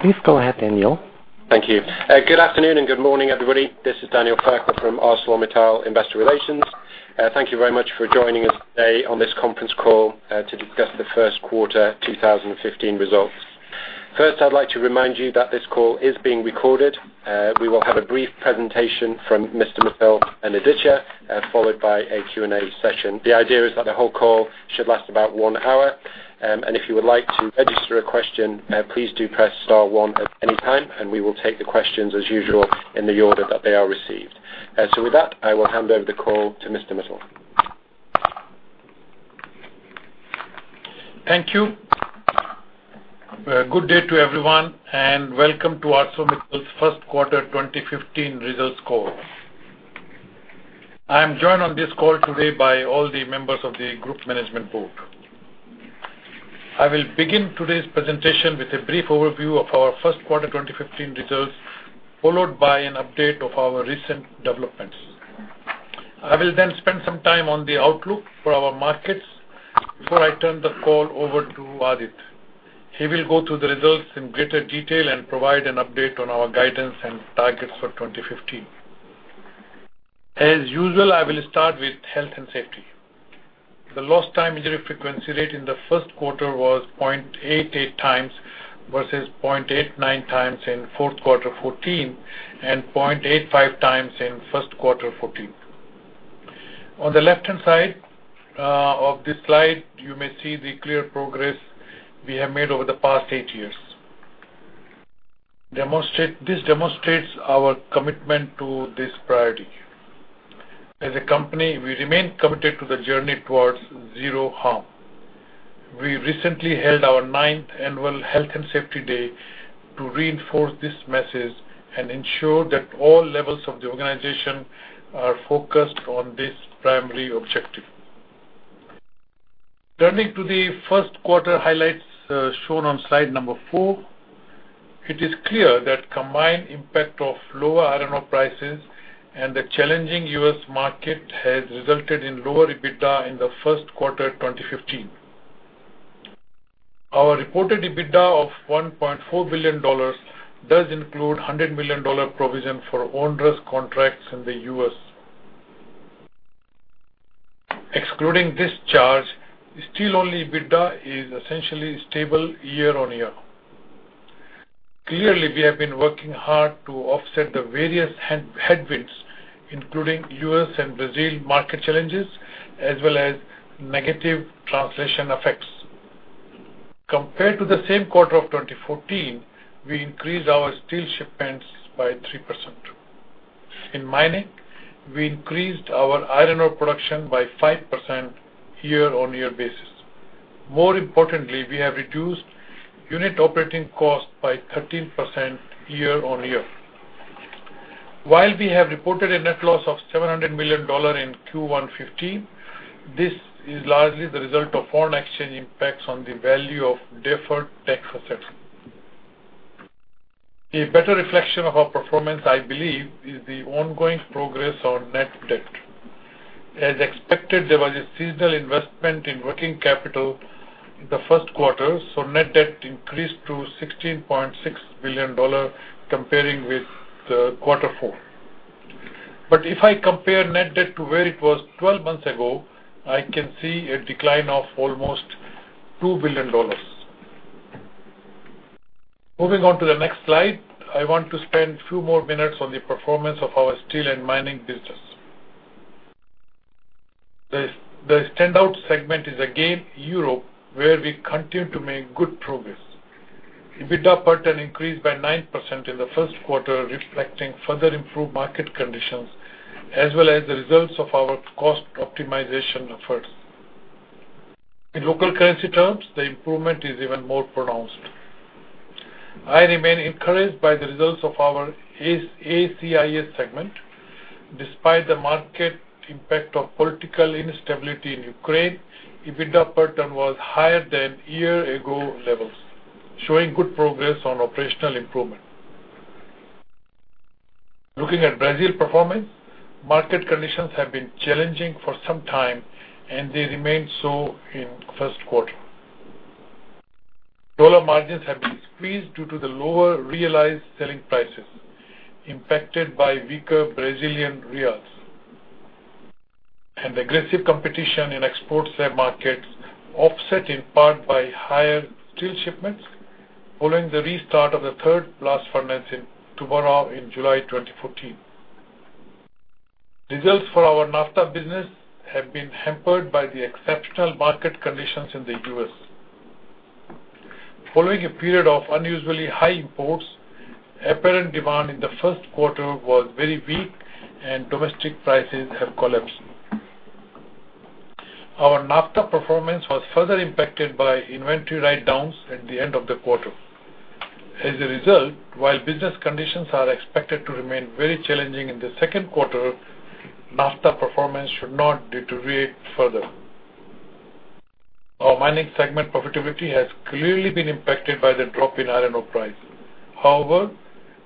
Please go ahead, Daniel. Thank you. Good afternoon and good morning, everybody. This is Daniel Fairclough from ArcelorMittal Investor Relations. Thank you very much for joining us today on this conference call to discuss the first quarter 2015 results. First, I'd like to remind you that this call is being recorded. We will have a brief presentation from Mr. Mittal and Aditya, followed by a Q&A session. The idea is that the whole call should last about one hour. If you would like to register a question, please do press star one at any time, we will take the questions as usual, in the order that they are received. With that, I will hand over the call to Mr. Mittal. Thank you. Good day to everyone, welcome to ArcelorMittal's first quarter 2015 results call. I am joined on this call today by all the members of the group management board. I will begin today's presentation with a brief overview of our first quarter 2015 results, followed by an update of our recent developments. I will then spend some time on the outlook for our markets before I turn the call over to Aditya. He will go through the results in greater detail and provide an update on our guidance and targets for 2015. As usual, I will start with health and safety. The lost time injury frequency rate in the first quarter was 0.88 times, versus 0.89 times in fourth quarter 2014, and 0.85 times in first quarter 2014. On the left-hand side of this slide, you may see the clear progress we have made over the past eight years. This demonstrates our commitment to this priority. As a company, we remain committed to the journey towards zero harm. We recently held our ninth annual Health and Safety Day to reinforce this message and ensure that all levels of the organization are focused on this primary objective. Turning to the first quarter highlights shown on slide number four, it is clear that combined impact of lower iron ore prices and the challenging U.S. market has resulted in lower EBITDA in the first quarter 2015. Our reported EBITDA of $1.4 billion does include $100 million provision for onerous contracts in the U.S. Excluding this charge, steel-only EBITDA is essentially stable year-on-year. Clearly, we have been working hard to offset the various headwinds, including U.S. and Brazil market challenges, as well as negative translation effects. Compared to the same quarter of 2014, we increased our steel shipments by 3%. In mining, we increased our iron ore production by 5% year-on-year basis. More importantly, we have reduced unit operating cost by 13% year-on-year. While we have reported a net loss of EUR 700 million in Q1 2015, this is largely the result of foreign exchange impacts on the value of deferred tax assets. A better reflection of our performance, I believe, is the ongoing progress on net debt. As expected, there was a seasonal investment in working capital in the first quarter, net debt increased to $16.6 billion comparing with Q4. If I compare net debt to where it was 12 months ago, I can see a decline of almost EUR 2 billion. Moving on to the next slide, I want to spend a few more minutes on the performance of our steel and mining business. The standout segment is, again, Europe, where we continue to make good progress. EBITDA per ton increased by 9% in the first quarter, reflecting further improved market conditions, as well as the results of our cost optimization efforts. In local currency terms, the improvement is even more pronounced. I remain encouraged by the results of our ACIS segment. Despite the market impact of political instability in Ukraine, EBITDA per ton was higher than year-ago levels, showing good progress on operational improvement. Looking at Brazil performance, market conditions have been challenging for some time, and they remained so in first quarter. U.S. dollar margins have been squeezed due to the lower realized selling prices, impacted by weaker Brazilian Reals, and aggressive competition in export sale markets offset in part by higher steel shipments following the restart of the 3rd blast furnace in Tubarão in July 2014. Results for our NAFTA business have been hampered by the exceptional market conditions in the U.S. Following a period of unusually high imports, apparent demand in the first quarter was very weak and domestic prices have collapsed. Our NAFTA performance was further impacted by inventory write-downs at the end of the quarter. While business conditions are expected to remain very challenging in the second quarter, NAFTA performance should not deteriorate further. Our mining segment profitability has clearly been impacted by the drop in iron ore price. However,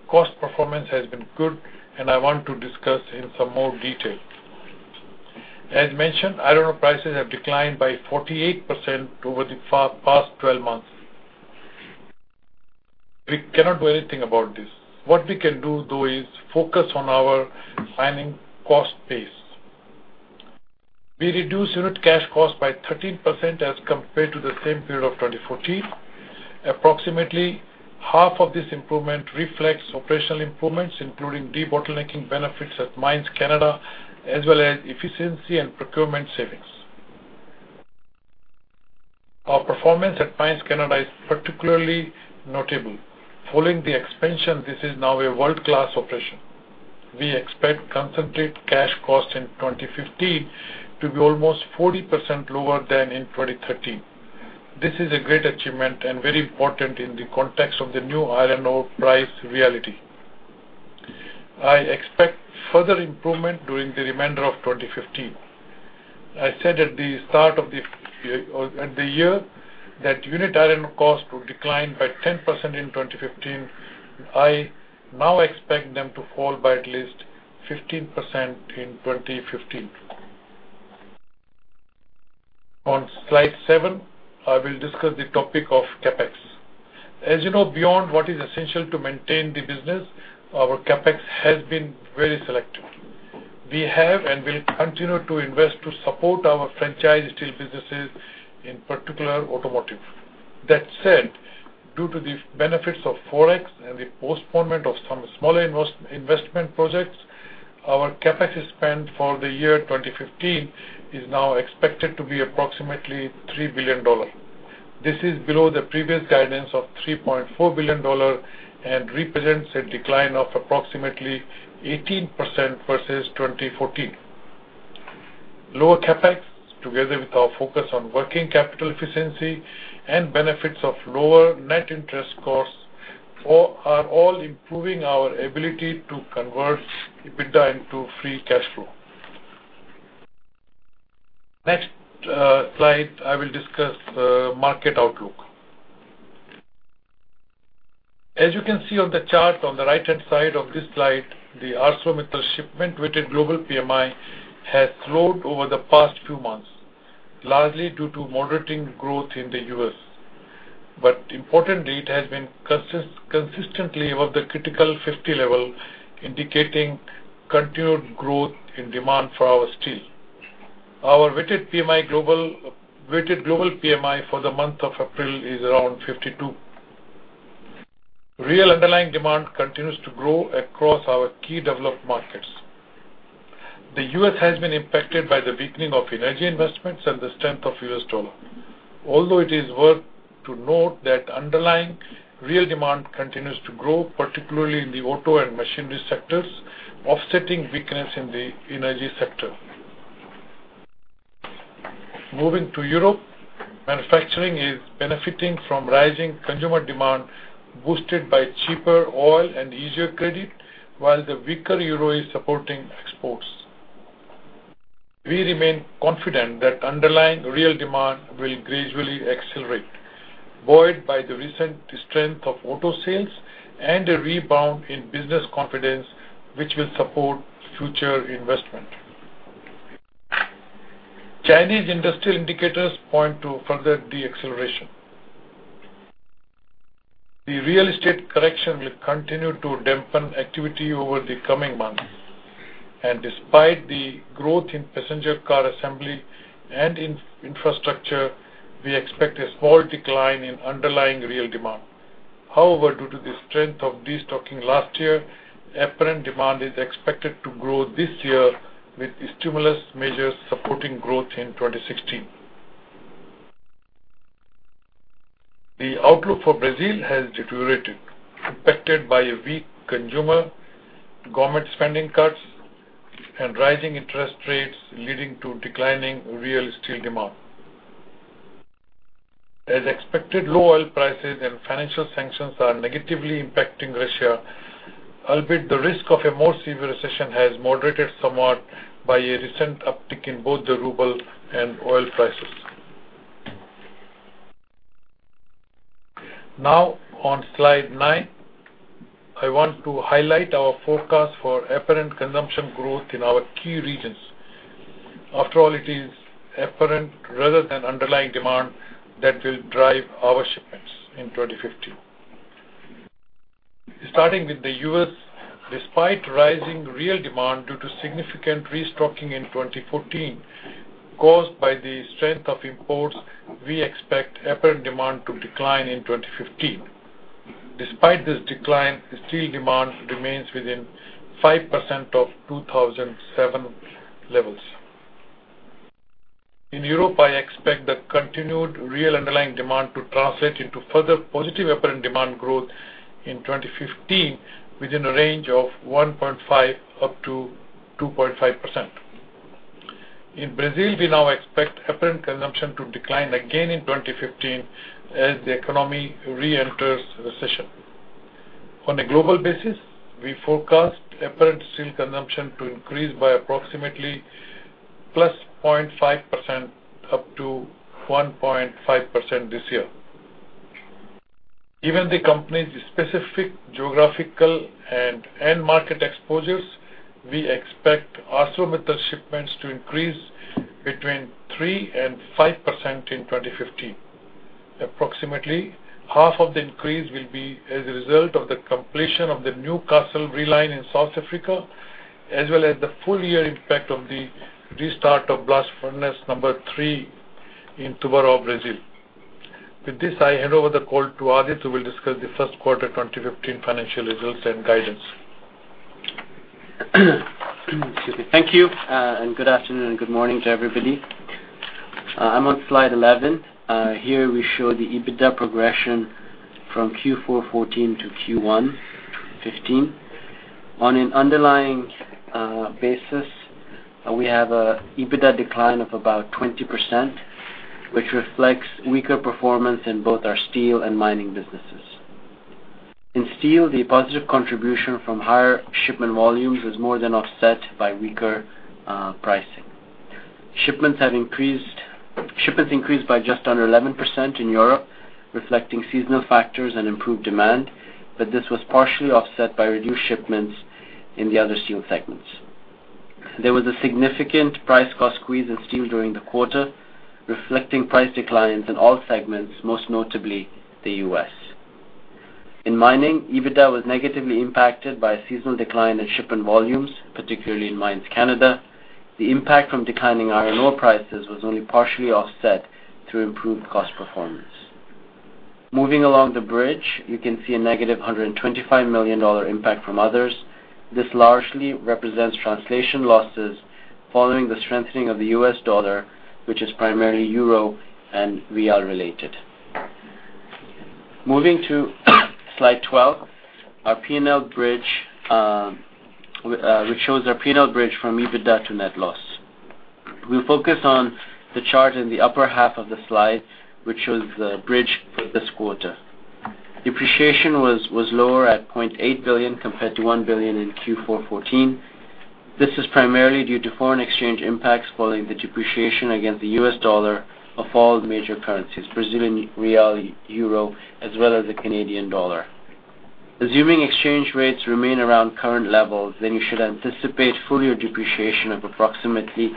cost performance has been good, and I want to discuss in some more detail. Iron ore prices have declined by 48% over the past 12 months. We cannot do anything about this. What we can do, though, is focus on our mining cost base. We reduced unit cash costs by 13% as compared to the same period of 2014. Approximately half of this improvement reflects operational improvements, including debottlenecking benefits at Mines Canada, as well as efficiency and procurement savings. Our performance at Mines Canada is particularly notable. Following the expansion, this is now a world-class operation. We expect concentrate cash costs in 2015 to be almost 40% lower than in 2013. This is a great achievement and very important in the context of the new iron ore price reality. I expect further improvement during the remainder of 2015. I said at the start of the year that unit iron ore costs would decline by 10% in 2015. I now expect them to fall by at least 15% in 2015. On slide seven, I will discuss the topic of CapEx. As you know, beyond what is essential to maintain the business, our CapEx has been very selective. We have and will continue to invest to support our franchise steel businesses, in particular, automotive. That said, due to the benefits of Forex and the postponement of some smaller investment projects, our CapEx spend for the year 2015 is now expected to be approximately $3 billion. This is below the previous guidance of $3.4 billion and represents a decline of approximately 18% versus 2014. Lower CapEx, together with our focus on working capital efficiency and benefits of lower net interest costs, are all improving our ability to convert EBITDA into free cash flow. Next slide, I will discuss market outlook. As you can see on the chart on the right-hand side of this slide, the ArcelorMittal shipment weighted global PMI has slowed over the past few months, largely due to moderating growth in the U.S. Importantly, it has been consistently above the critical 50 level, indicating continued growth in demand for our steel. Our weighted global PMI for the month of April is around 52. Real underlying demand continues to grow across our key developed markets. The U.S. has been impacted by the weakening of energy investments and the strength of the U.S. dollar. Although it is worth noting that underlying real demand continues to grow, particularly in the auto and machinery sectors, offsetting weakness in the energy sector. Moving to Europe, manufacturing is benefiting from rising consumer demand, boosted by cheaper oil and easier credit, while the weaker euro is supporting exports. We remain confident that underlying real demand will gradually accelerate, buoyed by the recent strength of auto sales and a rebound in business confidence, which will support future investment. Chinese industrial indicators point to further deceleration. The real estate correction will continue to dampen activity over the coming months. Despite the growth in passenger car assembly and infrastructure, we expect a small decline in underlying real demand. However, due to the strength of destocking last year, apparent demand is expected to grow this year, with stimulus measures supporting growth in 2016. The outlook for Brazil has deteriorated, impacted by a weak consumer, government spending cuts, and rising interest rates, leading to declining real steel demand. As expected, low oil prices and financial sanctions are negatively impacting Russia, albeit the risk of a more severe recession has moderated somewhat by a recent uptick in both the ruble and oil prices. Now, on slide nine, I want to highlight our forecast for apparent consumption growth in our key regions. After all, it is apparent rather than underlying demand that will drive our shipments in 2015. Starting with the U.S., despite rising real demand due to significant restocking in 2014 caused by the strength of imports, we expect apparent demand to decline in 2015. Despite this decline, steel demand remains within 5% of 2007 levels. In Europe, I expect the continued real underlying demand to translate into further positive apparent demand growth in 2015 within a range of 1.5%-2.5%. In Brazil, we now expect apparent consumption to decline again in 2015 as the economy reenters recession. On a global basis, we forecast apparent steel consumption to increase by approximately +0.5%-1.5% this year. Given the company's specific geographical and end market exposures, we expect ArcelorMittal shipments to increase between 3% and 5% in 2015. Approximately half of the increase will be as a result of the completion of the Newcastle reline in South Africa, as well as the full year impact of the restart of blast furnace number 3 in Tubarão, Brazil. With this, I hand over the call to Aditya, who will discuss the first quarter 2015 financial results and guidance. Excuse me. Thank you, good afternoon and good morning to everybody. I'm on slide 11. Here, we show the EBITDA progression from Q4 2014 to Q1 2015. On an underlying basis, we have a EBITDA decline of about 20%, which reflects weaker performance in both our steel and mining businesses. In steel, the positive contribution from higher shipment volumes was more than offset by weaker pricing. Shipments increased by just under 11% in Europe, reflecting seasonal factors and improved demand, but this was partially offset by reduced shipments in the other steel segments. There was a significant price cost squeeze in steel during the quarter, reflecting price declines in all segments, most notably the U.S. In mining, EBITDA was negatively impacted by a seasonal decline in shipment volumes, particularly in Mines Canada. The impact from declining iron ore prices was only partially offset through improved cost performance. Moving along the bridge, you can see a negative $125 million impact from others. This largely represents translation losses following the strengthening of the U.S. dollar, which is primarily euro and real related. Moving to slide 12, our P&L bridge, which shows our P&L bridge from EBITDA to net loss. We focus on the chart in the upper half of the slide, which shows the bridge for this quarter. Depreciation was lower at $0.8 billion compared to $1 billion in Q4 2014. This is primarily due to foreign exchange impacts following the depreciation against the U.S. dollar of all the major currencies, Brazilian real, euro, as well as the Canadian dollar. Assuming exchange rates remain around current levels, you should anticipate full-year depreciation of approximately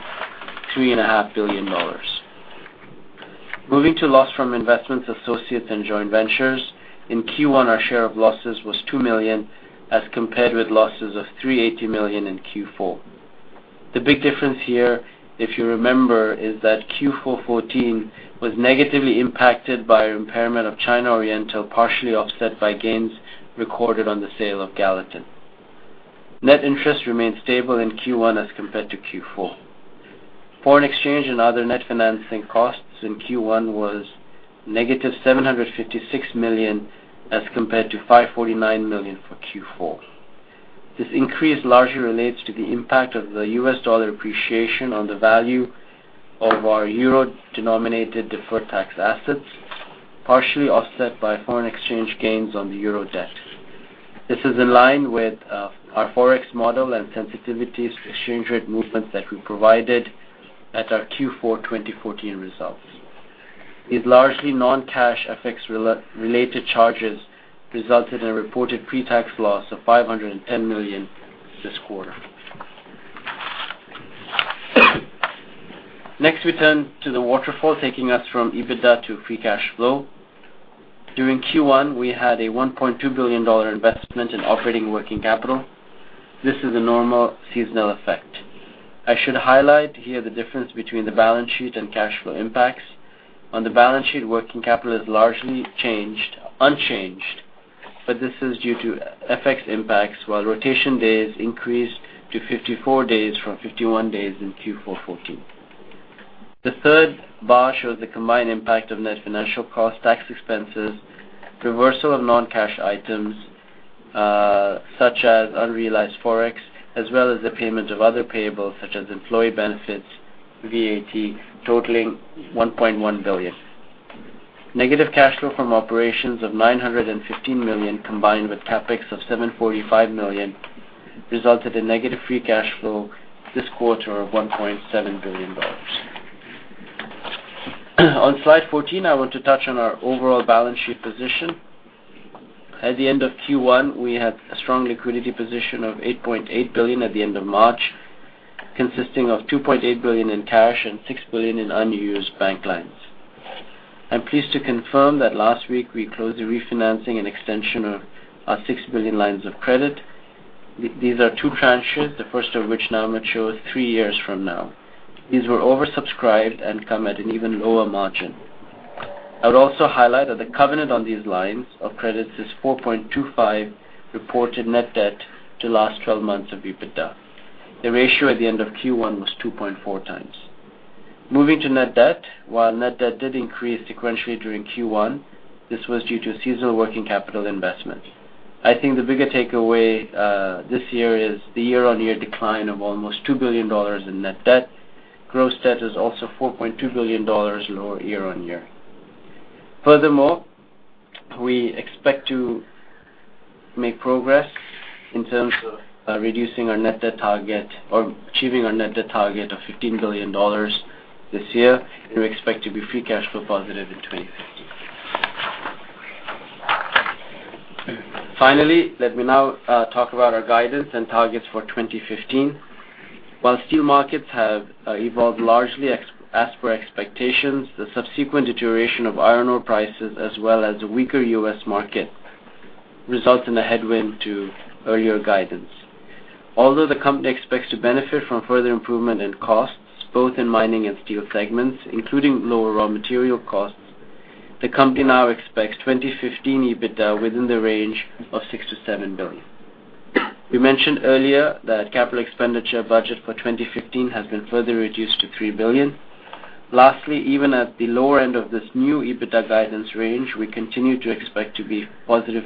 $3.5 billion. Moving to loss from investments, associates, and joint ventures. In Q1, our share of losses was $2 million as compared with losses of $380 million in Q4. The big difference here, if you remember, is that Q4 2014 was negatively impacted by an impairment of China Oriental, partially offset by gains recorded on the sale of Gallatin. Net interest remained stable in Q1 as compared to Q4. Foreign exchange and other net financing costs in Q1 was negative $756 million as compared to $549 million for Q4. This increase largely relates to the impact of the U.S. dollar appreciation on the value of our EUR-denominated deferred tax assets, partially offset by foreign exchange gains on the EUR debt. This is in line with our Forex model and sensitivities to exchange rate movements that we provided at our Q4 2014 results. These largely non-cash effects-related charges resulted in a reported pre-tax loss of $510 million this quarter. We turn to the waterfall taking us from EBITDA to free cash flow. During Q1, we had a $1.2 billion investment in operating working capital. This is a normal seasonal effect. I should highlight here the difference between the balance sheet and cash flow impacts. On the balance sheet, working capital is largely unchanged, this is due to FX impacts while rotation days increased to 54 days from 51 days in Q4 2014. The third bar shows the combined impact of net financial cost, tax expenses, reversal of non-cash items, such as unrealized Forex, as well as the payment of other payables such as employee benefits, VAT totaling $1.1 billion. Negative cash flow from operations of $915 million, combined with CapEx of $745 million, resulted in negative free cash flow this quarter of $1.7 billion. On slide 14, I want to touch on our overall balance sheet position. At the end of Q1, we had a strong liquidity position of $8.8 billion at the end of March, consisting of $2.8 billion in cash and $6 billion in unused bank lines. I'm pleased to confirm that last week we closed a refinancing and extension of our $6 billion lines of credit. These are two tranches, the first of which now matures three years from now. These were oversubscribed and come at an even lower margin. I would also highlight that the covenant on these lines of credit is 4.25 reported net debt to last 12 months of EBITDA. The ratio at the end of Q1 was 2.4 times. Moving to net debt. While net debt did increase sequentially during Q1, this was due to seasonal working capital investments. I think the bigger takeaway this year is the year-on-year decline of almost $2 billion in net debt. Gross debt is also $4.2 billion lower year-on-year. We expect to make progress in terms of reducing our net debt target or achieving our net debt target of $15 billion this year, and we expect to be free cash flow positive in 2015. Let me now talk about our guidance and targets for 2015. While steel markets have evolved largely as per expectations, the subsequent deterioration of iron ore prices as well as a weaker U.S. market results in a headwind to earlier guidance. Although the company expects to benefit from further improvement in costs, both in mining and steel segments, including lower raw material costs, the company now expects 2015 EBITDA within the range of $6 billion-$7 billion. We mentioned earlier that capital expenditure budget for 2015 has been further reduced to $3 billion. Even at the lower end of this new EBITDA guidance range, we continue to expect to be positive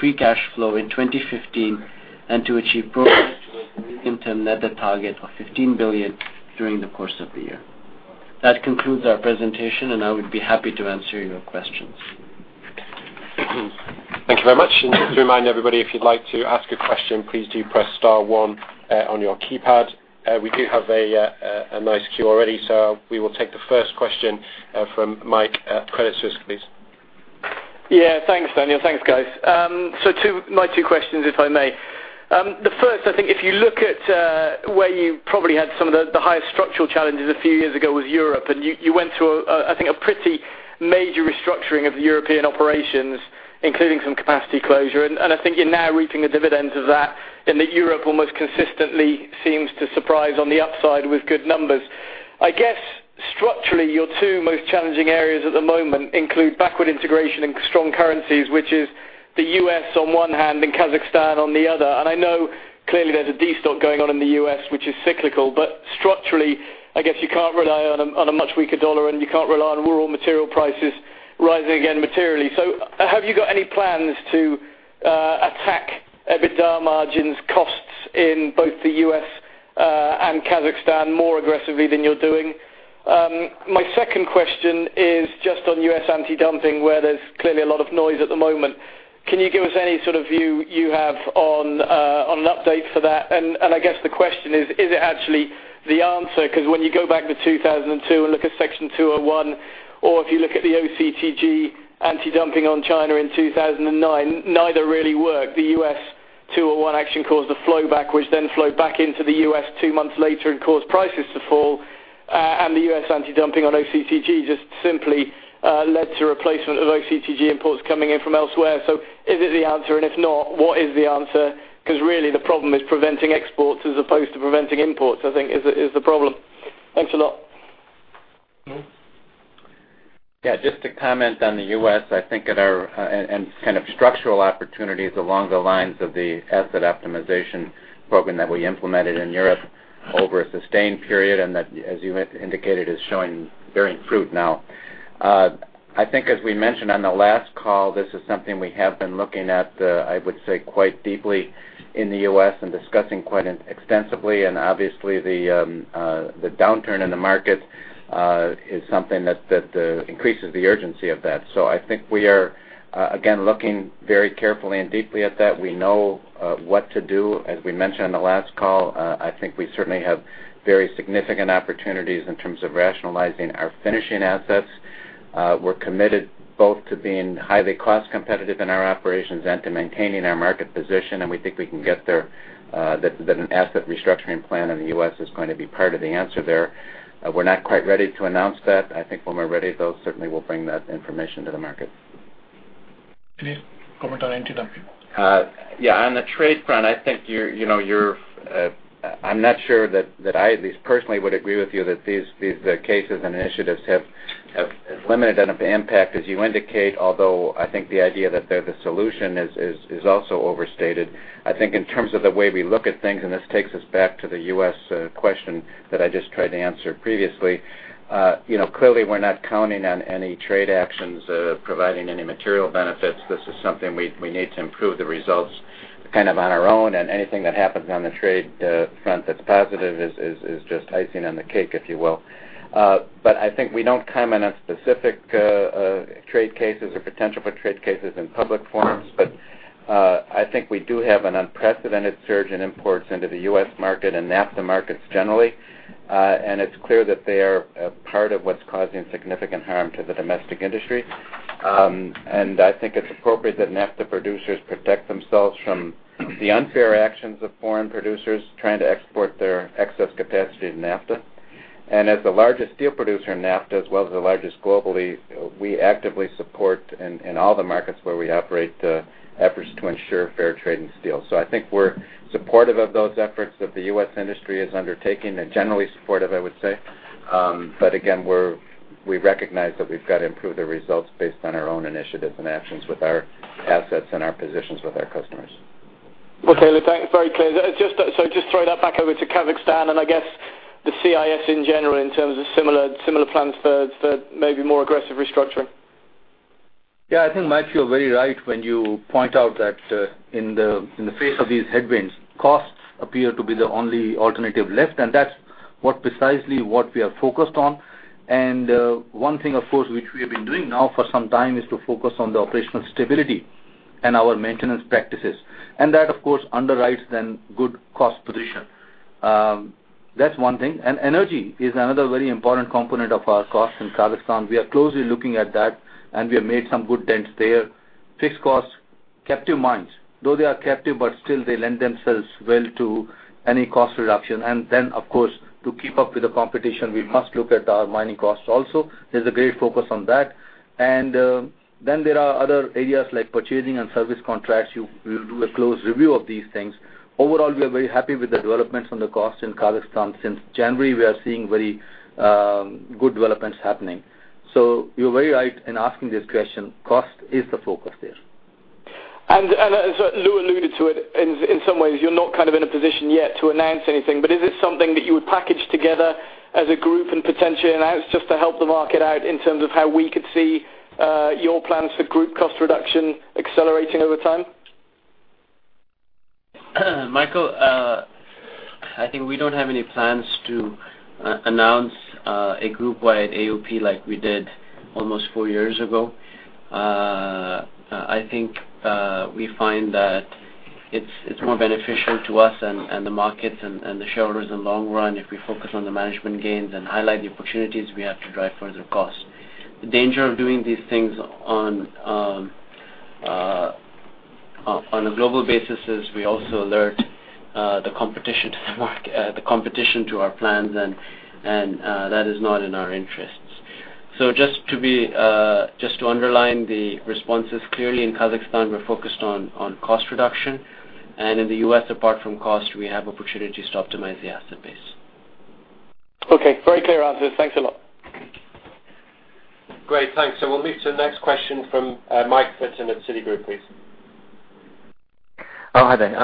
free cash flow in 2015 and to achieve progress towards our medium-term net debt target of $15 billion during the course of the year. That concludes our presentation. I would be happy to answer your questions. Thank you very much. Just to remind everybody, if you'd like to ask a question, please do press star one on your keypad. We do have a nice queue already, so we will take the first question from Mike at Credit Suisse, please. Thanks, Daniel. Thanks, guys. My two questions, if I may. The first, I think if you look at where you probably had some of the highest structural challenges a few years ago was Europe. You went through, I think, a pretty major restructuring of the European operations, including some capacity closure. I think you're now reaping the dividends of that in that Europe almost consistently seems to surprise on the upside with good numbers. I guess structurally, your two most challenging areas at the moment include backward integration and strong currencies, which is the U.S. on one hand and Kazakhstan on the other. I know clearly there's a destock going on in the U.S., which is cyclical, but structurally, I guess you can't rely on a much weaker dollar and you can't rely on raw material prices rising again materially. Have you got any plans to attack EBITDA margins costs in both the U.S. and Kazakhstan more aggressively than you're doing? My second question is just on U.S. anti-dumping, where there's clearly a lot of noise at the moment. Can you give us any sort of view you have on an update for that? I guess the question is, Is it actually the answer? Because when you go back to 2002 and look at Section 201, or if you look at the OCTG anti-dumping on China in 2009, neither really worked. The U.S. 201 action caused a flow back, which then flowed back into the U.S. two months later and caused prices to fall. The U.S. anti-dumping on OCTG just simply led to replacement of OCTG imports coming in from elsewhere. Is it the answer, and if not, what is the answer? Really the problem is preventing exports as opposed to preventing imports, I think is the problem. Thanks a lot. Just to comment on the U.S., I think, and kind of structural opportunities along the lines of the Asset Optimization Program that we implemented in Europe over a sustained period, and that, as you indicated, is showing bearing fruit now. I think as we mentioned on the last call, this is something we have been looking at, I would say, quite deeply in the U.S. and discussing quite extensively. Obviously, the downturn in the market is something that increases the urgency of that. I think we are, again, looking very carefully and deeply at that. We know what to do. As we mentioned on the last call, I think we certainly have very significant opportunities in terms of rationalizing our finishing assets. We're committed both to being highly cost competitive in our operations and to maintaining our market position. We think we can get there, that an asset restructuring plan in the U.S. is going to be part of the answer there. We're not quite ready to announce that. I think when we're ready, though, certainly we'll bring that information to the market. Can you comment on anti-dumping? On the trade front, I'm not sure that I at least personally would agree with you that these cases and initiatives have as limited an impact as you indicate, although I think the idea that they're the solution is also overstated. I think in terms of the way we look at things, this takes us back to the U.S. question that I just tried to answer previously, clearly we're not counting on any trade actions providing any material benefits. This is something we need to improve the results kind of on our own, and anything that happens on the trade front that's positive is just icing on the cake, if you will. I think we don't comment on specific trade cases or potential for trade cases in public forums. I think we do have an unprecedented surge in imports into the U.S. market and NAFTA markets generally. It's clear that they are a part of what's causing significant harm to the domestic industry. I think it's appropriate that NAFTA producers protect themselves from the unfair actions of foreign producers trying to export their excess capacity to NAFTA. As the largest steel producer in NAFTA, as well as the largest globally, we actively support in all the markets where we operate, efforts to ensure fair trade in steel. I think we're supportive of those efforts that the U.S. industry is undertaking and generally supportive, I would say. Again, we recognize that we've got to improve the results based on our own initiatives and actions with our assets and our positions with our customers. Okay. Look, thanks. Very clear. Just throw that back over to Kazakhstan and I guess the CIS in general in terms of similar plans for maybe more aggressive restructuring. Yeah. I think, Mike, you're very right when you point out that in the face of these headwinds, costs appear to be the only alternative left. Precisely what we are focused on. One thing, of course, which we have been doing now for some time is to focus on the operational stability and our maintenance practices. That, of course, underwrites then good cost position. That's one thing. Energy is another very important component of our cost in Kazakhstan. We are closely looking at that, and we have made some good dents there. Fixed costs, captive mines. Though they are captive, but still they lend themselves well to any cost reduction. Then, of course, to keep up with the competition, we must look at our mining costs also. There's a great focus on that. Then there are other areas like purchasing and service contracts. We'll do a close review of these things. Overall, we are very happy with the developments on the cost in Kazakhstan. Since January, we are seeing very good developments happening. You're very right in asking this question. Cost is the focus there. As Lou alluded to it, in some ways, you're not in a position yet to announce anything. Is it something that you would package together as a group and potentially announce just to help the market out in terms of how we could see your plans for group cost reduction accelerating over time? Michael, I think we don't have any plans to announce a group-wide AOP like we did almost 4 years ago. I think we find that it's more beneficial to us and the markets and the shareholders in the long run if we focus on the management gains and highlight the opportunities we have to drive further costs. The danger of doing these things on a global basis is we also alert the competition to our plans, and that is not in our interests. Just to underline the responses, clearly in Kazakhstan, we're focused on cost reduction. In the U.S., apart from cost, we have opportunities to optimize the asset base. Okay, very clear answers. Thanks a lot. Great, thanks. We'll move to the next question from Mike Fenton at Citigroup, please. Oh, hi there.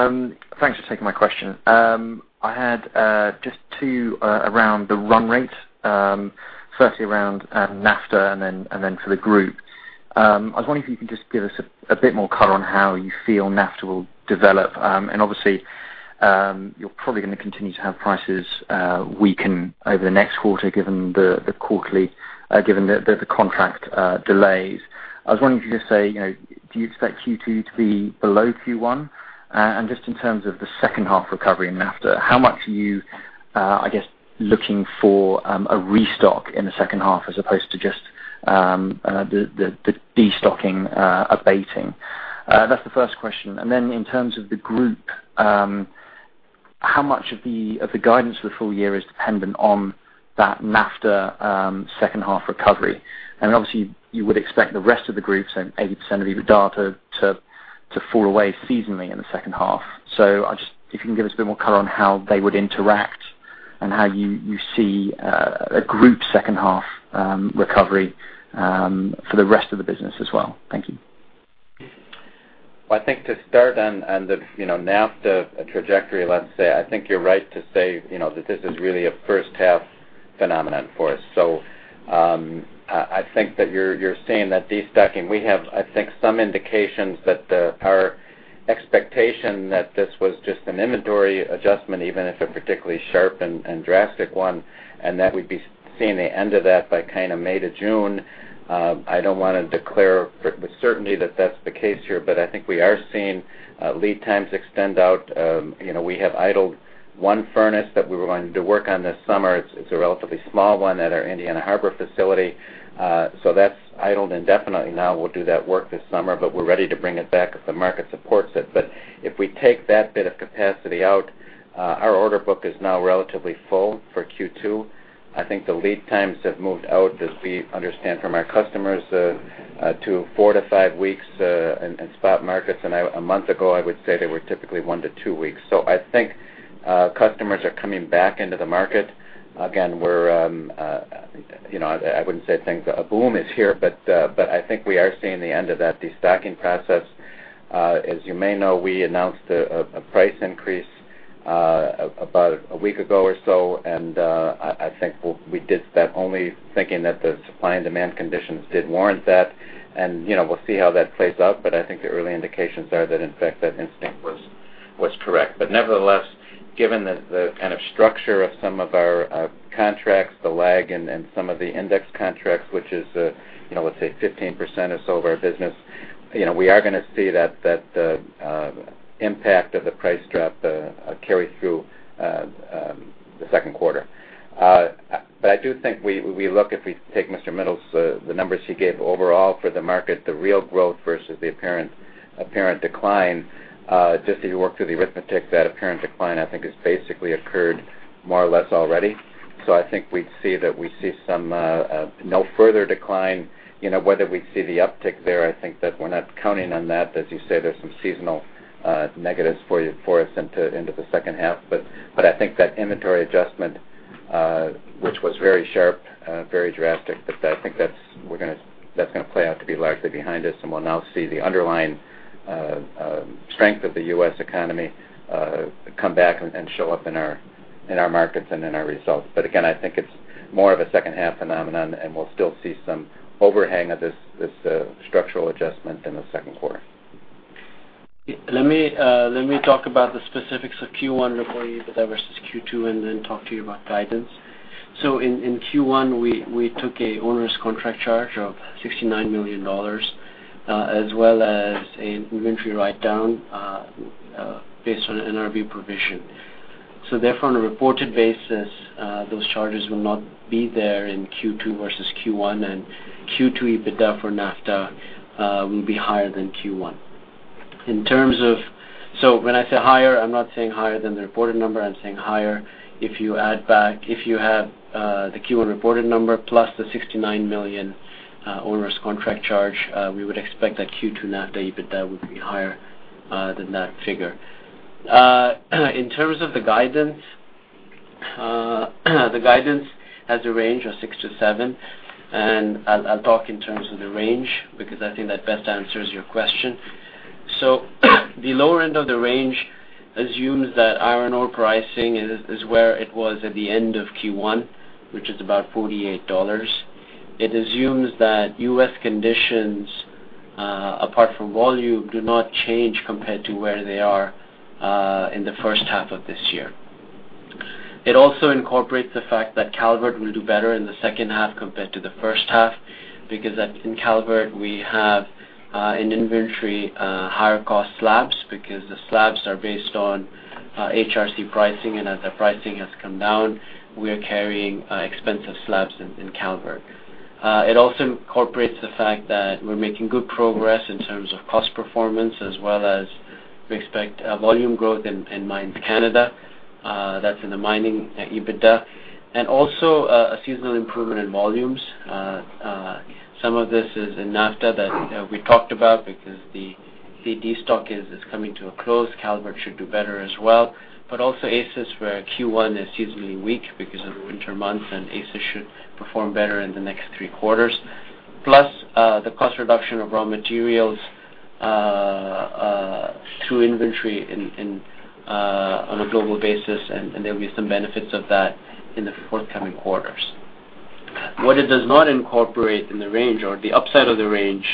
Thanks for taking my question. I had just two around the run rate, firstly around NAFTA, and then for the group. I was wondering if you can just give us a bit more color on how you feel NAFTA will develop. Obviously, you're probably going to continue to have prices weaken over the next quarter given the contract delays. I was wondering if you could just say, do you expect Q2 to be below Q1? And just in terms of the second half recovery in NAFTA, how much are you, I guess, looking for a restock in the second half as opposed to just the destocking abating? That's the first question. In terms of the group, how much of the guidance for the full year is dependent on that NAFTA second half recovery? Obviously, you would expect the rest of the group, 80% of EBITDA, to fall away seasonally in the second half. If you can give us a bit more color on how they would interact and how you see a group second half recovery for the rest of the business as well. Thank you. Well, I think to start on the NAFTA trajectory, let's say, I think you're right to say that this is really a first half phenomenon for us. I think that you're seeing that destocking. We have, I think, some indications that our expectation that this was just an inventory adjustment, even if a particularly sharp and drastic one, and that we'd be seeing the end of that by kind of May to June. I don't want to declare with certainty that that's the case here, but I think we are seeing lead times extend out. We have idled one furnace that we were going to work on this summer. It's a relatively small one at our Indiana Harbor facility. That's idled indefinitely now. We'll do that work this summer, but we're ready to bring it back if the market supports it. If we take that bit of capacity out, our order book is now relatively full for Q2. The lead times have moved out, as we understand from our customers, to 4 to 5 weeks in spot markets. A month ago, I would say they were typically 1 to 2 weeks. Customers are coming back into the market. I wouldn't say a boom is here, we are seeing the end of that destocking process. As you may know, we announced a price increase about a week ago or so, we did that only thinking that the supply and demand conditions did warrant that. We'll see how that plays out, the early indications are that in fact that instinct was correct. Nevertheless, given the kind of structure of some of our contracts, the lag and some of the index contracts, which is, let's say 15% or so of our business, we are going to see that impact of the price drop carry through the second quarter. If we take Mr. Mittal's, the numbers he gave overall for the market, the real growth versus the apparent decline, just if you work through the arithmetic, that apparent decline has basically occurred more or less already. We'd see that we see no further decline. Whether we see the uptick there, we're not counting on that. As you say, there's some seasonal negatives for us into the second half. That inventory adjustment, which was very sharp, very drastic, that's going to play out to be largely behind us, we'll now see the underlying strength of the U.S. economy come back and show up in our markets and in our results. It's more of a second half phenomenon, we'll still see some overhang of this structural adjustment in the second quarter. Let me talk about the specifics of Q1 reported EBITDA versus Q2, then talk to you about guidance. In Q1, we took an onerous contract charge of $69 million, as well as an inventory write-down based on an NRV provision. On a reported basis, those charges will not be there in Q2 versus Q1, Q2 EBITDA for NAFTA will be higher than Q1. When I say higher, I'm not saying higher than the reported number. I'm saying higher if you add back the Q1 reported number plus the $69 million onerous contract charge, we would expect that Q2 NAFTA EBITDA would be higher than that figure. In terms of the guidance, the guidance has a range of 6 to 7, and I'll talk in terms of the range, because that best answers your question. The lower end of the range assumes that iron ore pricing is where it was at the end of Q1, which is about $48. It assumes that U.S. conditions, apart from volume, do not change compared to where they are in the first half of this year. It also incorporates the fact that Calvert will do better in the second half compared to the first half, because in Calvert, we have an inventory of higher cost slabs, because the slabs are based on HRC pricing, and as the pricing has come down, we are carrying expensive slabs in Calvert. It also incorporates the fact that we're making good progress in terms of cost performance, as well as we expect volume growth in Mines Canada. That's in the mining EBITDA. Also, a seasonal improvement in volumes. Some of this is in NAFTA that we talked about because the destock is coming to a close. Calvert should do better as well. Also ACIS, where Q1 is seasonally weak because of the winter months, and ACIS should perform better in the next three quarters. Plus, the cost reduction of raw materials to inventory on a global basis, and there'll be some benefits of that in the forthcoming quarters. What it does not incorporate in the range or the upside of the range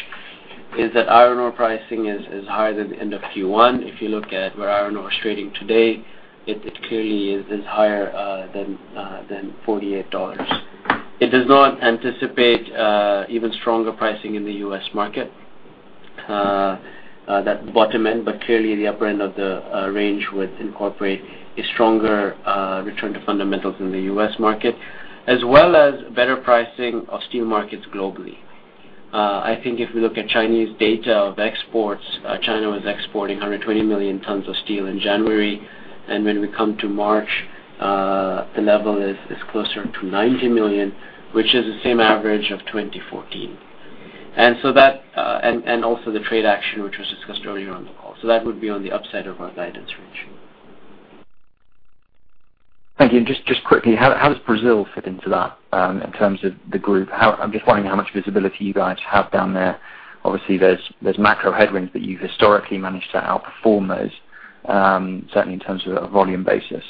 is that iron ore pricing is higher than the end of Q1. If you look at where iron ore is trading today, it clearly is higher than $48. It does not anticipate even stronger pricing in the U.S. market. That bottom end, but clearly the upper end of the range would incorporate a stronger return to fundamentals in the U.S. market, as well as better pricing of steel markets globally. I think if we look at Chinese data of exports, China was exporting 120 million tons of steel in January. When we come to March, the level is closer to 90 million, which is the same average of 2014. Also the trade action, which was discussed earlier on the call. That would be on the upside of our guidance range. Thank you. Just quickly, how does Brazil fit into that in terms of the group? I'm just wondering how much visibility you guys have down there. Obviously, there's macro headwinds, but you've historically managed to outperform those, certainly in terms of a volume basis.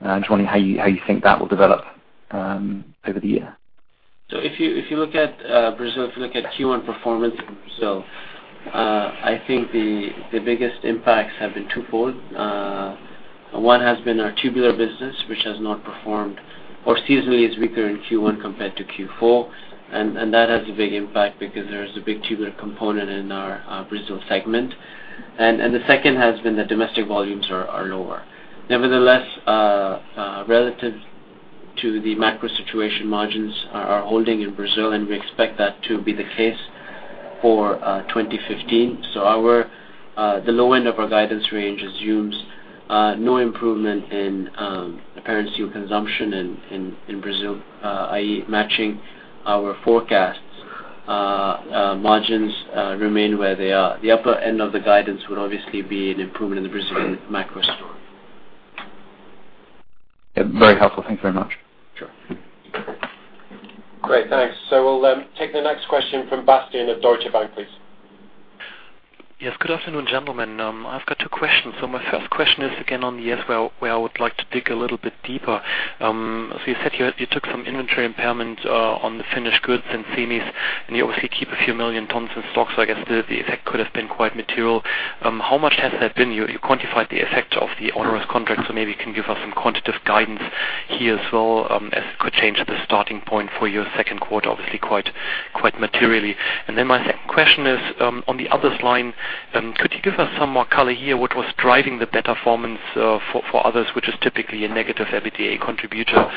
I'm just wondering how you think that will develop over the year. If you look at Brazil, if you look at Q1 performance in Brazil, I think the biggest impacts have been twofold. One has been our tubular business, which has not performed or seasonally is weaker in Q1 compared to Q4. That has a big impact because there's a big tubular component in our Brazil segment. The second has been that domestic volumes are lower. Nevertheless, relative to the macro situation, margins are holding in Brazil, and we expect that to be the case for 2015. The low end of our guidance range assumes no improvement in apparent steel consumption in Brazil i.e. matching our forecasts. Margins remain where they are. The upper end of the guidance would obviously be an improvement in the Brazilian macro story. Very helpful. Thank you very much. Sure. Great. Thanks. We'll take the next question from Bastian of Deutsche Bank, please. Yes. Good afternoon, gentlemen. I've got two questions. My first question is, again, on the [S] well, where I would like to dig a little bit deeper. You said you took some inventory impairment on the finished goods and semis, and you obviously keep a few million tons in stock. I guess the effect could have been quite material. How much has that been? You quantified the effect of the onerous contract, so maybe you can give us some quantitative guidance here as well, as it could change the starting point for your second quarter, obviously quite materially. My second question is on the others line. Could you give us some more color here? What was driving the better performance for others, which is typically a negative EBITDA contributor?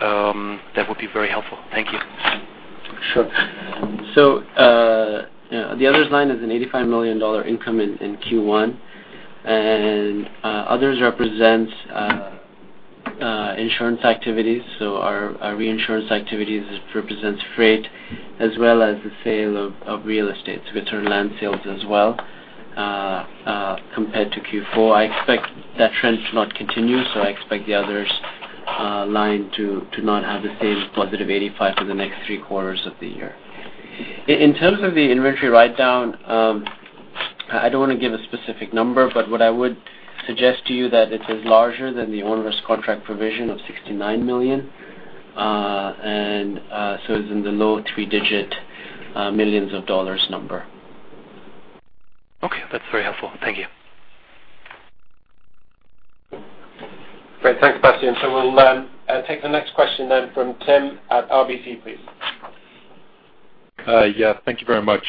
That would be very helpful. Thank you. Sure. The others line is an EUR 85 million income in Q1, and others represents insurance activities. Our reinsurance activities represents freight as well as the sale of real estate, so it's our land sales as well, compared to Q4. I expect that trend to not continue, so I expect the others line to not have the same positive 85 for the next three quarters of the year. In terms of the inventory write-down, I don't want to give a specific number, but what I would suggest to you that it is larger than the onerous contract provision of $69 million. It's in the low three-digit millions of EUR number. Okay, that's very helpful. Thank you. Great. Thanks, Bastian. We'll take the next question from Tim at RBC, please. Thank you very much.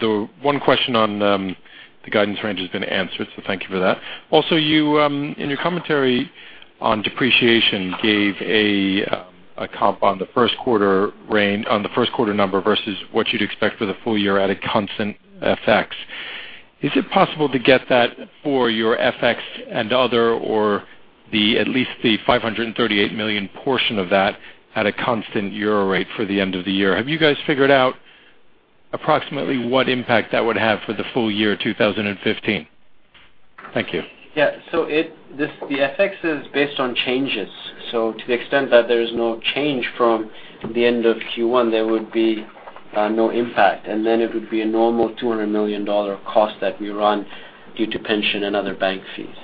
The one question on the guidance range has been answered, thank you for that. Also, in your commentary on depreciation, you gave a comp on the first quarter number versus what you'd expect for the full year at a constant FX. Is it possible to get that for your FX and other or at least the 538 million portion of that at a constant Euro rate for the end of the year? Have you guys figured out approximately what impact that would have for the full year 2015? Thank you. Yeah. The FX is based on changes. To the extent that there is no change from the end of Q1, there would be no impact, and then it would be a normal $200 million cost that we run due to pension and other bank fees.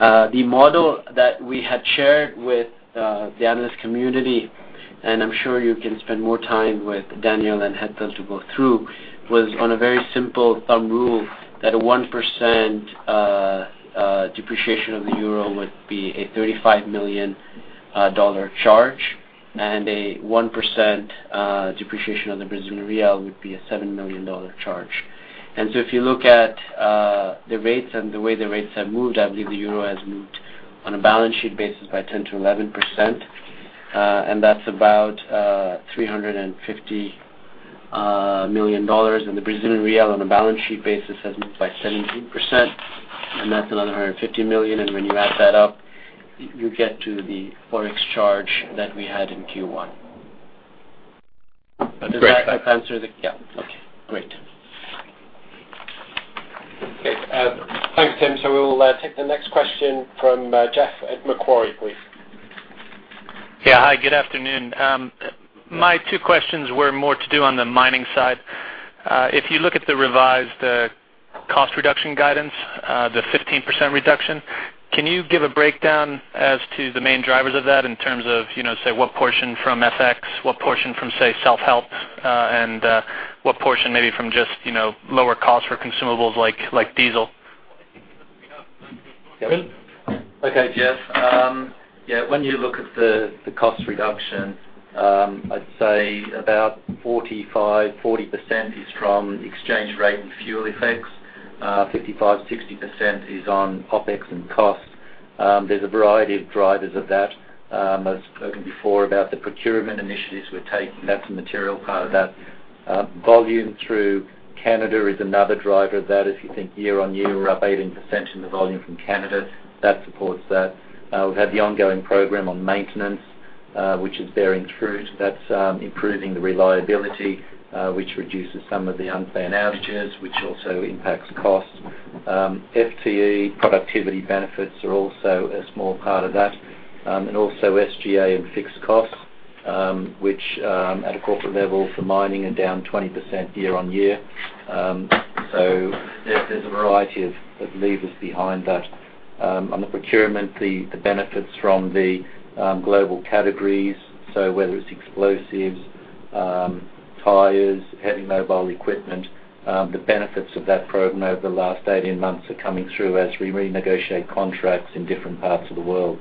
The model that we had shared with the analyst community, and I'm sure you can spend more time with Daniel and Hetal to go through, was on a very simple thumb rule that a 1% depreciation of the EUR would be a $35 million charge, and a 1% depreciation of the BRL would be a $7 million charge. If you look at the rates and the way the rates have moved, I believe the EUR has moved on a balance sheet basis by 10%-11%, and that's about $350 million. The BRL on a balance sheet basis has moved by 17%, and that's another $150 million. When you add that up, you get to the Forex charge that we had in Q1. Great. Does that answer the Yeah. Okay, great. Okay. Thanks, Tim. We will take the next question from Jeff at Macquarie, please. Yeah. Hi, good afternoon. My two questions were more to do on the mining side. If you look at the revised cost reduction guidance, the 15% reduction, can you give a breakdown as to the main drivers of that in terms of, say, what portion from FX, what portion from, say, self-help, and what portion maybe from just lower costs for consumables like diesel? Yeah. Okay, Jeff. When you look at the cost reduction, I'd say about 45, 40% is from exchange rate and fuel effects. 55, 60% is on OpEx and costs. There's a variety of drivers of that. I've spoken before about the procurement initiatives we're taking. That's a material part of that. Volume through Canada is another driver of that. If you think year-on-year, we're up 18% in the volume from Canada. That supports that. We've had the ongoing program on maintenance, which is bearing fruit. That's improving the reliability, which reduces some of the unplanned outages, which also impacts costs. FTE productivity benefits are also a small part of that. Also SGA and fixed costs, which at a corporate level for mining are down 20% year-on-year. There's a variety of levers behind that. On the procurement, the benefits from the global categories, whether it's explosives, tires, heavy mobile equipment, the benefits of that program over the last 18 months are coming through as we renegotiate contracts in different parts of the world.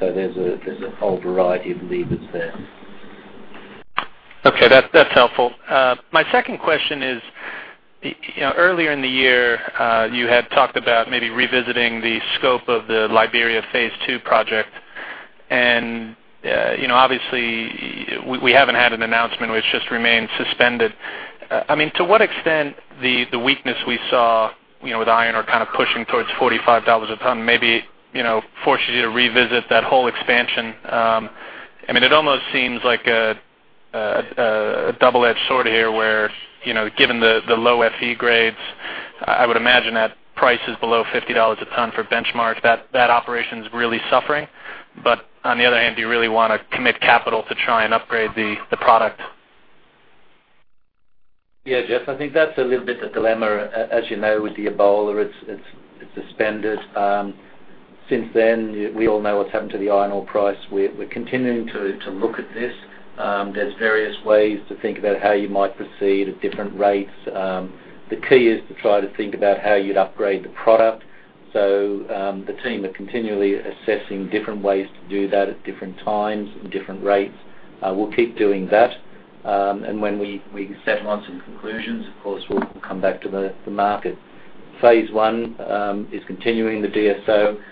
There's a whole variety of levers there. Okay, that's helpful. My second question is, earlier in the year, you had talked about maybe revisiting the scope of the Liberia Phase 2 project. We haven't had an announcement, which just remains suspended. To what extent the weakness we saw with iron ore kind of pushing towards $45 a ton maybe forces you to revisit that whole expansion? It almost seems like a double-edged sword here where, given the low Fe grades, I would imagine that price is below $50 a ton for benchmark. That operation's really suffering. Do you really want to commit capital to try and upgrade the product? Yeah, Jeff, I think that's a little bit the dilemma. As you know, with the Ebola, it's suspended. Since then, we all know what's happened to the iron ore price. We're continuing to look at this. There's various ways to think about how you might proceed at different rates. The key is to try to think about how you'd upgrade the product. The team are continually assessing different ways to do that at different times and different rates. We'll keep doing that. When we settle on some conclusions, of course, we'll come back to the market. Phase 1 is continuing the DSO.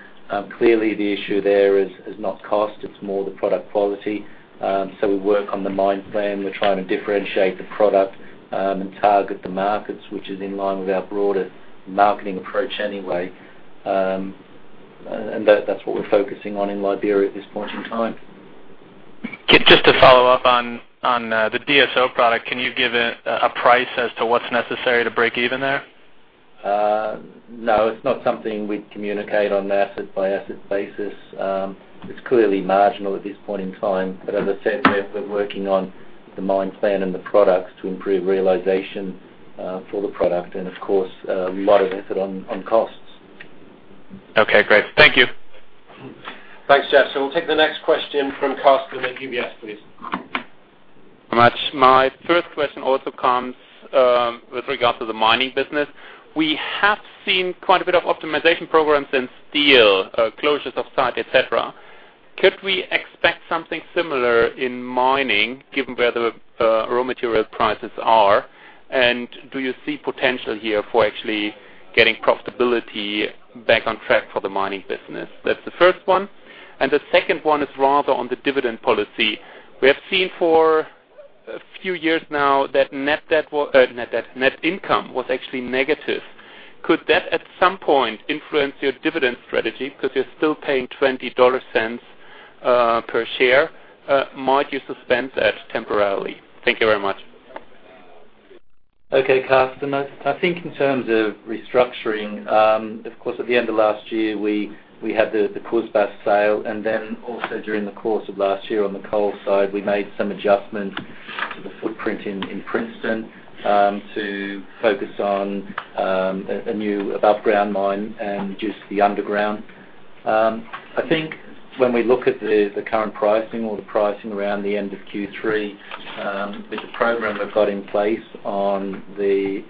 Clearly, the issue there is not cost, it's more the product quality. We work on the mine plan. We're trying to differentiate the product and target the markets, which is in line with our broader marketing approach anyway. That's what we're focusing on in Liberia at this point in time. Just to follow up on the DSO product, can you give a price as to what's necessary to break even there? No, it's not something we'd communicate on an asset-by-asset basis. It's clearly marginal at this point in time. As I said, we're working on the mine plan and the products to improve realization for the product. Of course, a lot of effort on costs Okay, great. Thank you. Thanks, Jeff. We'll take the next question from Carsten at UBS, please. Thanks so much. My first question also comes with regard to the mining business. We have seen quite a bit of optimization programs in steel, closures of site, et cetera. Could we expect something similar in mining given where the raw material prices are? Do you see potential here for actually getting profitability back on track for the mining business? That's the first one. The second one is rather on the dividend policy. We have seen for a few years now that net income was actually negative. Could that at some point influence your dividend strategy because you're still paying $0.20 per share? Might you suspend that temporarily? Thank you very much. Okay, Carsten, I think in terms of restructuring, of course, at the end of last year, we had the Kuzbass sale, then also during the course of last year on the coal side, we made some adjustments to the footprint in Princeton to focus on a new above-ground mine and reduce the underground. I think when we look at the current pricing or the pricing around the end of Q3, with the program we've got in place on the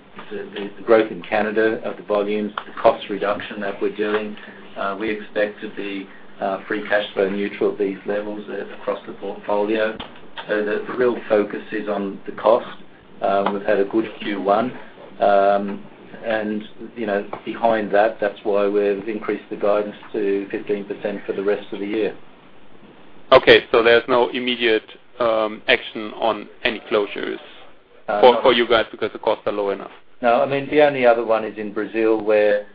growth in Canada of the volumes, the cost reduction that we're doing, we expect to be free cash flow neutral at these levels across the portfolio. The real focus is on the cost. We've had a good Q1. Behind that's why we've increased the guidance to 15% for the rest of the year. There's no immediate action on any closures for you guys because the costs are low enough. No. The only other one is in Brazil, where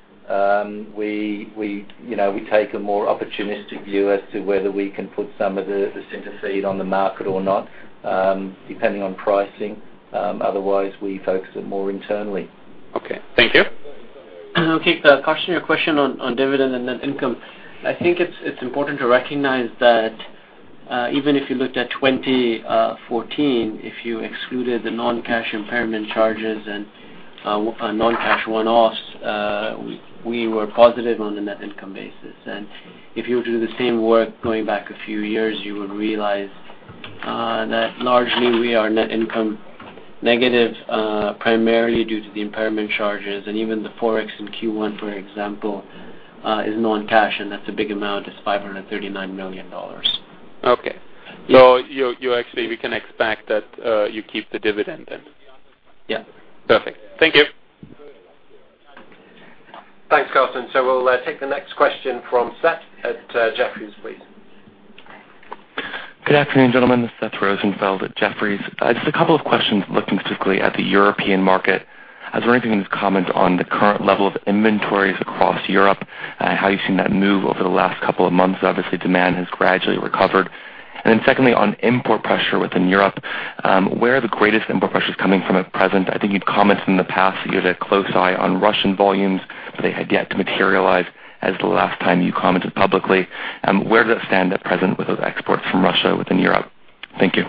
we take a more opportunistic view as to whether we can put some of the sinter feed on the market or not, depending on pricing. Otherwise, we focus it more internally. Thank you. Carsten, your question on dividend and net income. I think it's important to recognize that even if you looked at 2014, if you excluded the non-cash impairment charges and non-cash one-offs, we were positive on the net income basis. If you were to do the same work going back a few years, you would realize that largely we are net income negative primarily due to the impairment charges, and even the Forex in Q1, for example, is non-cash, and that's a big amount. It's $539 million. Actually, we can expect that you keep the dividend then? Yeah. Perfect. Thank you. Thanks, Carsten. We'll take the next question from Seth at Jefferies, please. Good afternoon, gentlemen. This is Seth Rosenfeld at Jefferies. Just a couple of questions looking specifically at the European market. I was wondering if you could comment on the current level of inventories across Europe, how you've seen that move over the last couple of months. Obviously, demand has gradually recovered. Secondly, on import pressure within Europe, where are the greatest import pressures coming from at present? I think you'd commented in the past that you had a close eye on Russian volumes, they had yet to materialize as the last time you commented publicly. Where does that stand at present with those exports from Russia within Europe? Thank you.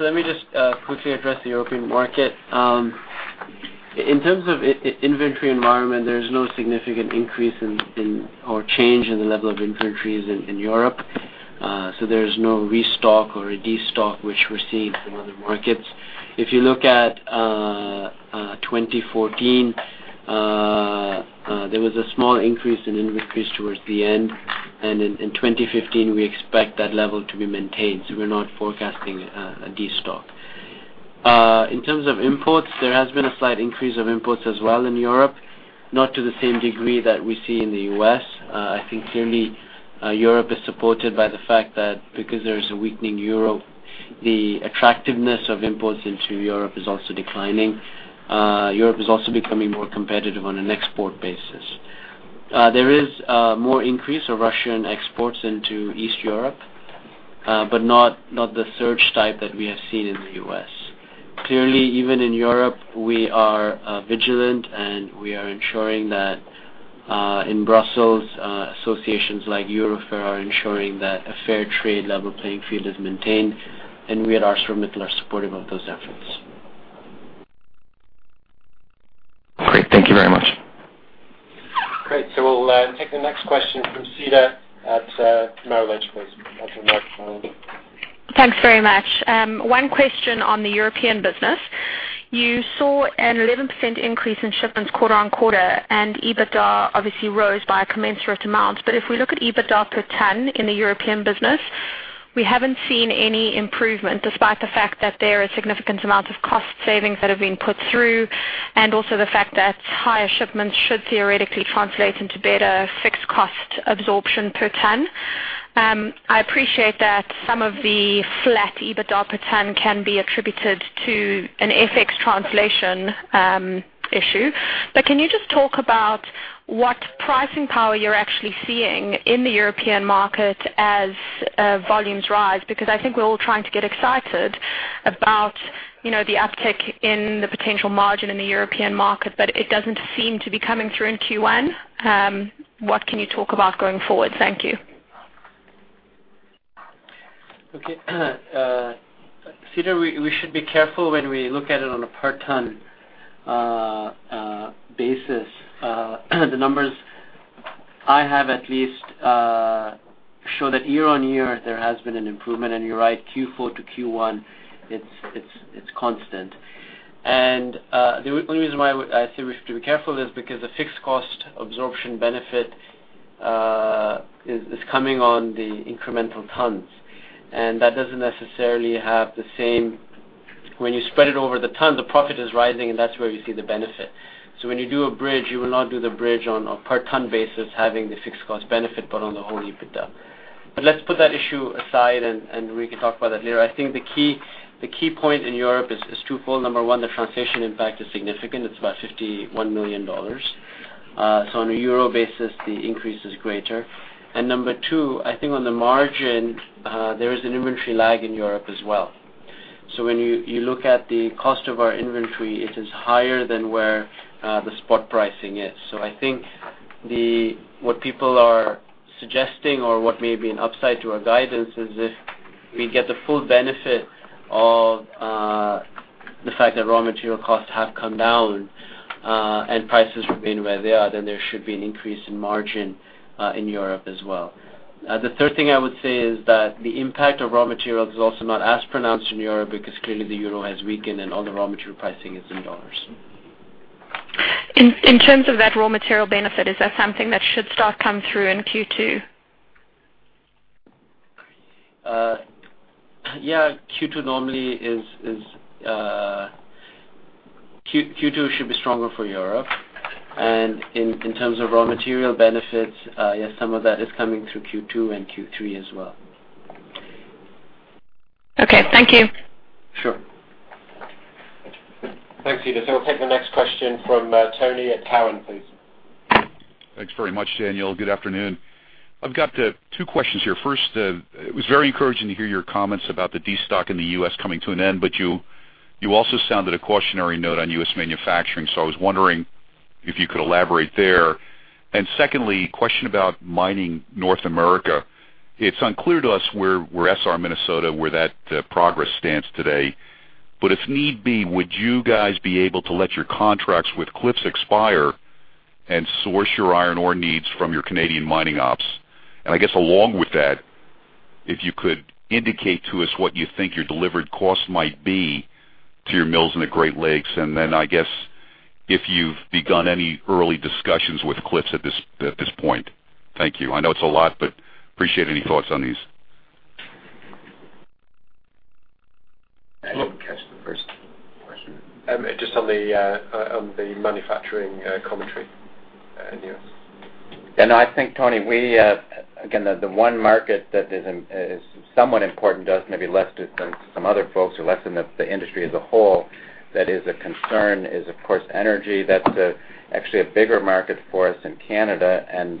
Let me just quickly address the European market. In terms of inventory environment, there's no significant increase or change in the level of inventories in Europe. There's no restock or a destock, which we're seeing from other markets. If you look at 2014, there was a small increase in inventories towards the end, and in 2015, we expect that level to be maintained. We're not forecasting a destock. In terms of imports, there has been a slight increase of imports as well in Europe, not to the same degree that we see in the U.S. I think clearly Europe is supported by the fact that because there is a weakening euro, the attractiveness of imports into Europe is also declining. Europe is also becoming more competitive on an export basis. There is more increase of Russian exports into East Europe but not the surge type that we have seen in the U.S. Even in Europe, we are vigilant, and we are ensuring that in Brussels, associations like Eurofer are ensuring that a fair trade level playing field is maintained, and we at ArcelorMittal are supportive of those efforts. Great. Thank you very much. Great. We'll take the next question from Cedar at Merrill Lynch, please, after from Andy. Thanks very much. One question on the European business. You saw an 11% increase in shipments quarter-on-quarter, and EBITDA obviously rose by a commensurate amount. If we look at EBITDA per ton in the European business, we haven't seen any improvement despite the fact that there are significant amounts of cost savings that have been put through, and also the fact that higher shipments should theoretically translate into better fixed cost absorption per ton. I appreciate that some of the flat EBITDA per ton can be attributed to an FX translation issue. Can you just talk about what pricing power you're actually seeing in the European market as volumes rise? I think we're all trying to get excited about the uptick in the potential margin in the European market, but it doesn't seem to be coming through in Q1. What can you talk about going forward? Thank you. Okay. Cedar, we should be careful when we look at it on a per ton basis. The numbers I have at least show that year-over-year there has been an improvement. You're right, Q4 to Q1, it's constant. The only reason why I say we have to be careful is because the fixed cost absorption benefit is coming on the incremental tons, and that doesn't necessarily have the same. When you spread it over the ton, the profit is rising, and that's where you see the benefit. When you do a bridge, you will not do the bridge on a per ton basis having the fixed cost benefit, but on the whole EBITDA. Let's put that issue aside, and we can talk about that later. I think the key point in Europe is twofold. Number one, the translation impact is significant. It's about $51 million. On a euro basis, the increase is greater. Number two, I think on the margin, there is an inventory lag in Europe as well. When you look at the cost of our inventory, it is higher than where the spot pricing is. I think what people are suggesting or what may be an upside to our guidance is if we get the full benefit of the fact that raw material costs have come down, and prices remain where they are, then there should be an increase in margin, in Europe as well. The third thing I would say is that the impact of raw materials is also not as pronounced in Europe because clearly the euro has weakened and all the raw material pricing is in dollars. In terms of that raw material benefit, is that something that should start come through in Q2? Yeah. Q2 should be stronger for Europe. In terms of raw material benefits, yes, some of that is coming through Q2 and Q3 as well. Okay. Thank you. Sure. Thanks, Cedar. We'll take the next question from Tony at Cowen, please. Thanks very much, Daniel. Good afternoon. I have got two questions here. First, it was very encouraging to hear your comments about the destock in the U.S. coming to an end, you also sounded a cautionary note on U.S. manufacturing. I was wondering if you could elaborate there. Secondly, question about mining North America. It is unclear to us where Essar Steel Minnesota, where that progress stands today. If need be, would you guys be able to let your contracts with Cliffs expire and source your iron ore needs from your Canadian mining ops? I guess along with that, if you could indicate to us what you think your delivered cost might be to your mills in the Great Lakes, then I guess if you have begun any early discussions with Cliffs at this point. Thank you. I know it is a lot, but appreciate any thoughts on these. I did not catch the first question. Just on the manufacturing commentary in the U.S. I think, Tony, again, the one market that is somewhat important to us, maybe less so than some other folks or less than the industry as a whole, that is a concern is, of course, energy. That is actually a bigger market for us in Canada and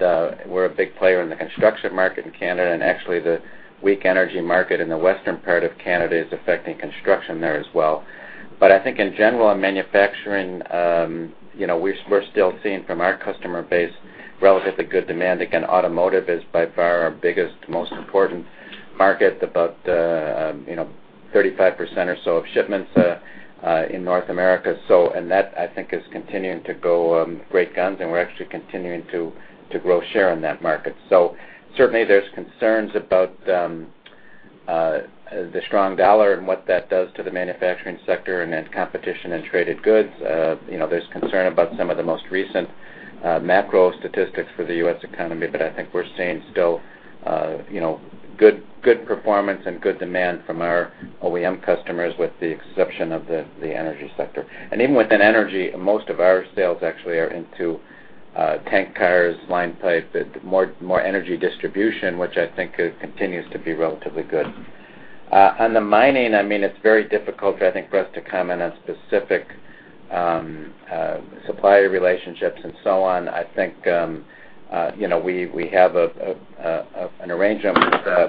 we are a big player in the construction market in Canada, and actually the weak energy market in the western part of Canada is affecting construction there as well. I think in general, in manufacturing, we are still seeing from our customer base relatively good demand. Again, automotive is by far our biggest, most important market, about 35% or so of shipments in North America. That, I think, is continuing to go great guns, and we are actually continuing to grow share in that market. Certainly, there's concerns about the strong dollar and what that does to the manufacturing sector and then competition and traded goods. There's concern about some of the most recent macro statistics for the U.S. economy, but I think we're seeing still good performance and good demand from our OEM customers, with the exception of the energy sector. Even within energy, most of our sales actually are into tank cars, line pipe, more energy distribution, which I think continues to be relatively good. On the mining, it's very difficult, I think, for us to comment on specific supplier relationships and so on. I think, we have an arrangement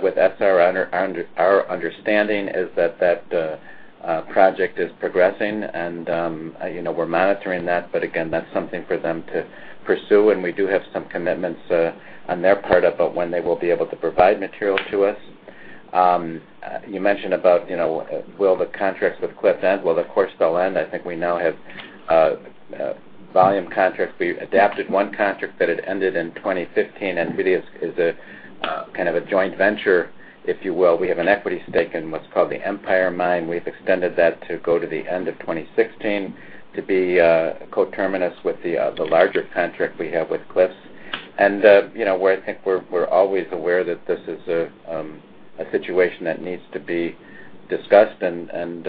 with Essar. Our understanding is that that project is progressing, and we're monitoring that. Again, that's something for them to pursue, and we do have some commitments on their part about when they will be able to provide material to us. You mentioned about will the contracts with Cliffs end. Well, of course, they'll end. I think we now have volume contracts. We adapted one contract that had ended in 2015, and really is a kind of a joint venture, if you will. We have an equity stake in what's called the Empire Mine. We've extended that to go to the end of 2016 to be coterminous with the larger contract we have with Cliffs. I think we're always aware that this is a situation that needs to be discussed, and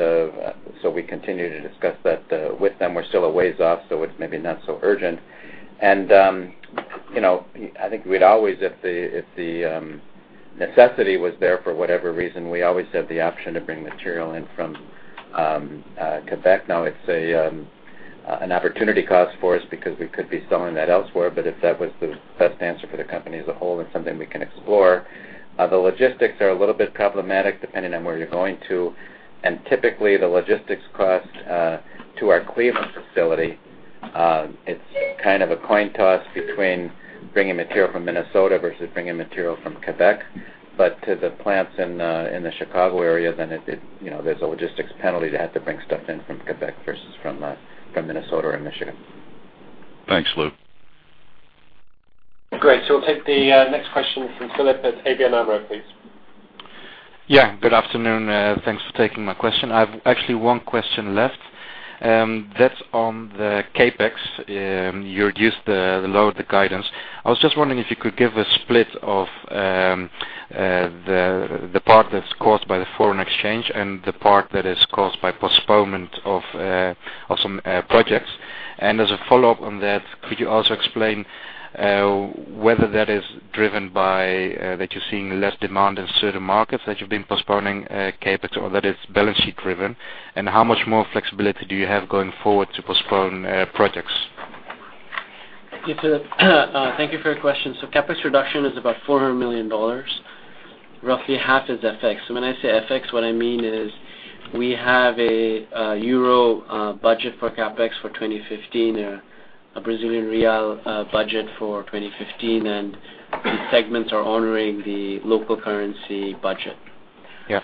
so we continue to discuss that with them. We're still a ways off, so it's maybe not so urgent. I think we'd always, if the necessity was there for whatever reason, we always have the option to bring material in from Quebec. It's an opportunity cost for us because we could be selling that elsewhere, but if that was the best answer for the company as a whole, that's something we can explore. The logistics are a little bit problematic depending on where you're going to, and typically the logistics cost to our Cleveland facility It's kind of a coin toss between bringing material from Minnesota versus bringing material from Quebec. To the plants in the Chicago area, then there's a logistics penalty to have to bring stuff in from Quebec versus from Minnesota or Michigan. Thanks, Lou. Great. We'll take the next question from Philip at ABN AMRO, please. Good afternoon. Thanks for taking my question. I've actually one question left, that's on the CapEx. You reduced the lower the guidance. I was just wondering if you could give a split of the part that's caused by the foreign exchange and the part that is caused by postponement of some projects. As a follow-up on that, could you also explain whether that is driven by, that you're seeing less demand in certain markets that you've been postponing CapEx, or that it's balance sheet driven? How much more flexibility do you have going forward to postpone projects? Thank you for your question. CapEx reduction is about $400 million. Roughly half is FX. When I say FX, what I mean is we have a EUR budget for CapEx for 2015, a BRL budget for 2015, the segments are honoring the local currency budget. Yeah.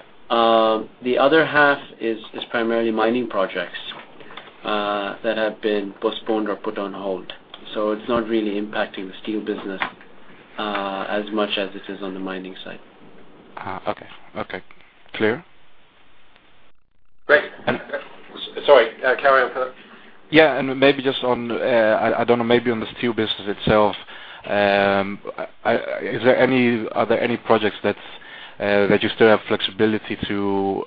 The other half is primarily mining projects, that have been postponed or put on hold. It's not really impacting the steel business, as much as it is on the mining side. Okay. Clear. Great. Sorry, carry on, Philip. Maybe just on, I don't know, maybe on the steel business itself. Are there any projects that you still have flexibility to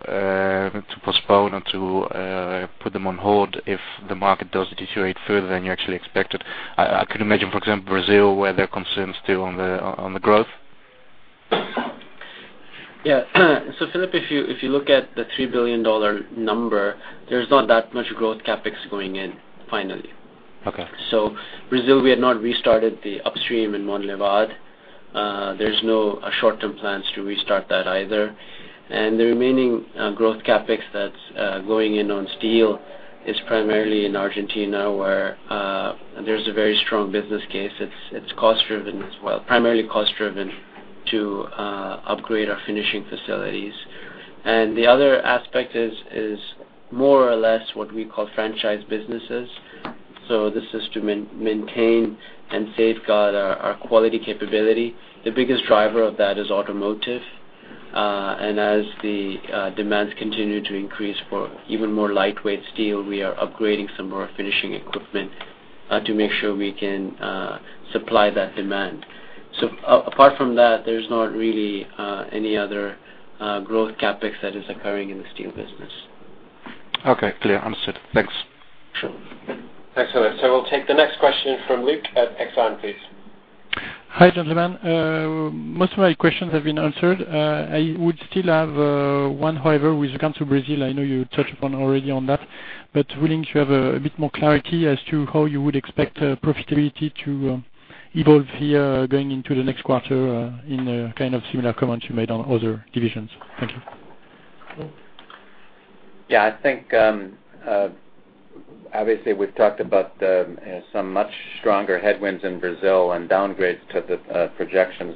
postpone or to put them on hold if the market does deteriorate further than you actually expected? I could imagine, for example, Brazil, where there are concerns still on the growth. Philip, if you look at the $3 billion number, there's not that much growth CapEx going in finally. Okay. Brazil, we had not restarted the upstream in Monlevade. There is no short-term plans to restart that either. The remaining growth CapEx that is going in on steel is primarily in Argentina, where there is a very strong business case. It is cost-driven as well, primarily cost-driven to upgrade our finishing facilities. The other aspect is more or less what we call franchise businesses. This is to maintain and safeguard our quality capability. The biggest driver of that is automotive. As the demands continue to increase for even more lightweight steel, we are upgrading some more finishing equipment to make sure we can supply that demand. Apart from that, there is not really any other growth CapEx that is occurring in the steel business. Okay. Clear. Understood. Thanks. Sure. Excellent. We will take the next question from Luc at Exane, please. Hi, gentlemen. Most of my questions have been answered. I would still have one, however, with regard to Brazil. I know you touched upon already on that, but I am willing to have a bit more clarity as to how you would expect profitability to evolve here going into the next quarter, in a kind of similar comment you made on other divisions. Thank you. I think, obviously, we've talked about some much stronger headwinds in Brazil and downgrades to the projections,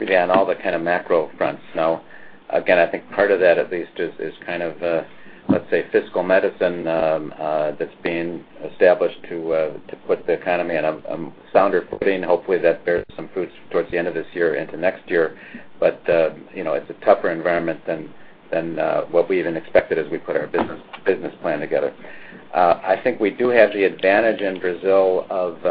really on all the kind of macro fronts now. Again, I think part of that at least is kind of, let's say, fiscal medicine that's being established to put the economy in a sounder footing. Hopefully, that bears some fruits towards the end of this year into next year. It's a tougher environment than what we even expected as we put our business plan together. I think we do have the advantage in Brazil of,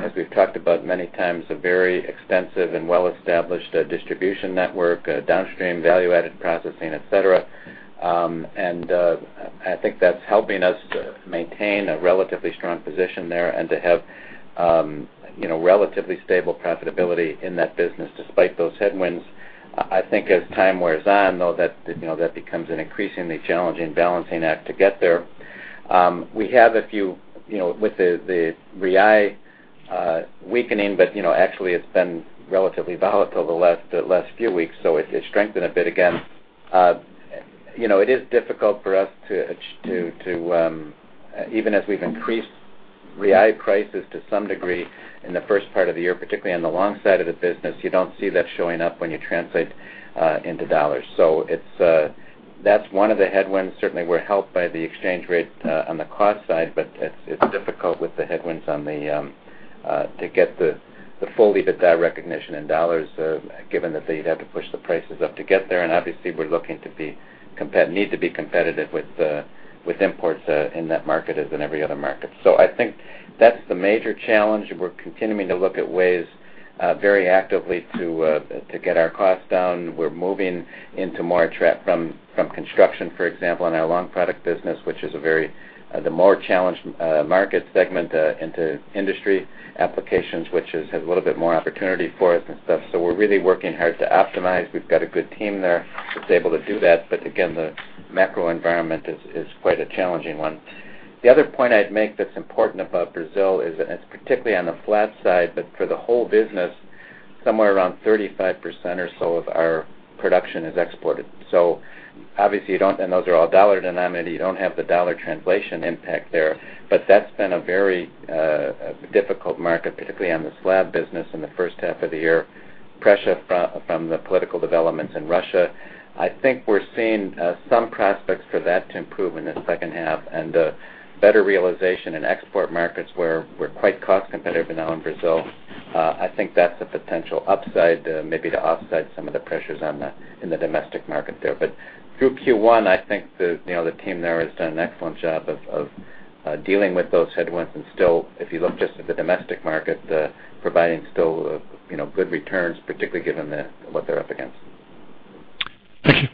as we've talked about many times, a very extensive and well-established distribution network, downstream value-added processing, et cetera. I think that's helping us to maintain a relatively strong position there and to have relatively stable profitability in that business despite those headwinds. I think as time wears on, though, that becomes an increasingly challenging balancing act to get there. With the BRL weakening, but actually it's been relatively volatile the last few weeks, so it did strengthen a bit again. It is difficult for us to, even as we've increased BRL prices to some degree in the first part of the year, particularly on the long side of the business, you don't see that showing up when you translate into $. That's one of the headwinds. Certainly, we're helped by the exchange rate on the cost side, but it's difficult with the headwinds to get the full EBITDA recognition in $, given that you'd have to push the prices up to get there. Obviously, we need to be competitive with imports in that market as in every other market. I think that's the major challenge, and we're continuing to look at ways very actively to get our costs down. We're moving into more trap from construction, for example, in our long product business, which is the more challenged market segment into industry applications, which has a little bit more opportunity for us and stuff. We're really working hard to optimize. We've got a good team there that's able to do that. Again, the macro environment is quite a challenging one. The other point I'd make that's important about Brazil is, and it's particularly on the flat side, but for the whole business, somewhere around 35% or so of our production is exported. Obviously, those are all $-denominated, you don't have the $ translation impact there. That's been a very difficult market, particularly on the slab business in the first half of the year, pressure from the political developments in Russia. I think we're seeing some prospects for that to improve in the second half and better realization in export markets where we're quite cost competitive now in Brazil. I think that's a potential upside, maybe to offset some of the pressures in the domestic market there. Through Q1, I think the team there has done an excellent job of dealing with those headwinds and still, if you look just at the domestic market, providing still good returns, particularly given what they're up against. Thank you.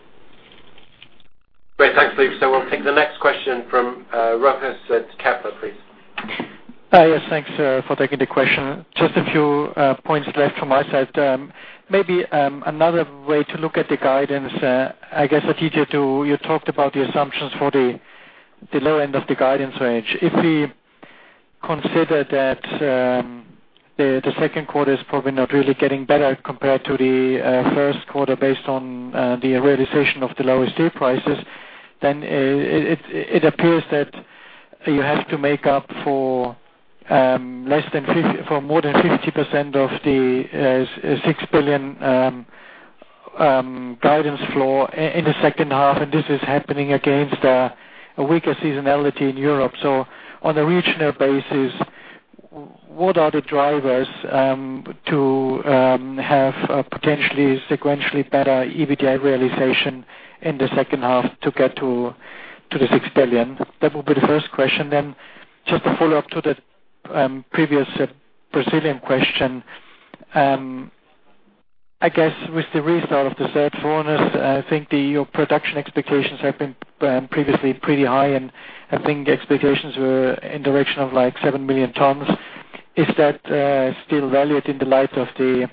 Great. Thanks, Luc. We'll take the next question from Rochus at Capital, please. Yes, thanks for taking the question. Just a few points left from my side. Maybe another way to look at the guidance, I guess, Aditya, too, you talked about the assumptions for the low end of the guidance range. If we consider that the second quarter is probably not really getting better compared to the first quarter based on the realization of the lower steel prices, then it appears that you have to make up for more than 50% of the $6 billion guidance floor in the second half, and this is happening against a weaker seasonality in Europe. On a regional basis, what are the drivers to have a potentially sequentially better EBITDA realization in the second half to get to the $6 billion? That would be the first question. Just to follow up to the previous Brazilian question, I guess with the restart of the, I think your production expectations have been previously pretty high, and I think expectations were in direction of 7 million tons. Is that still valid in the light of the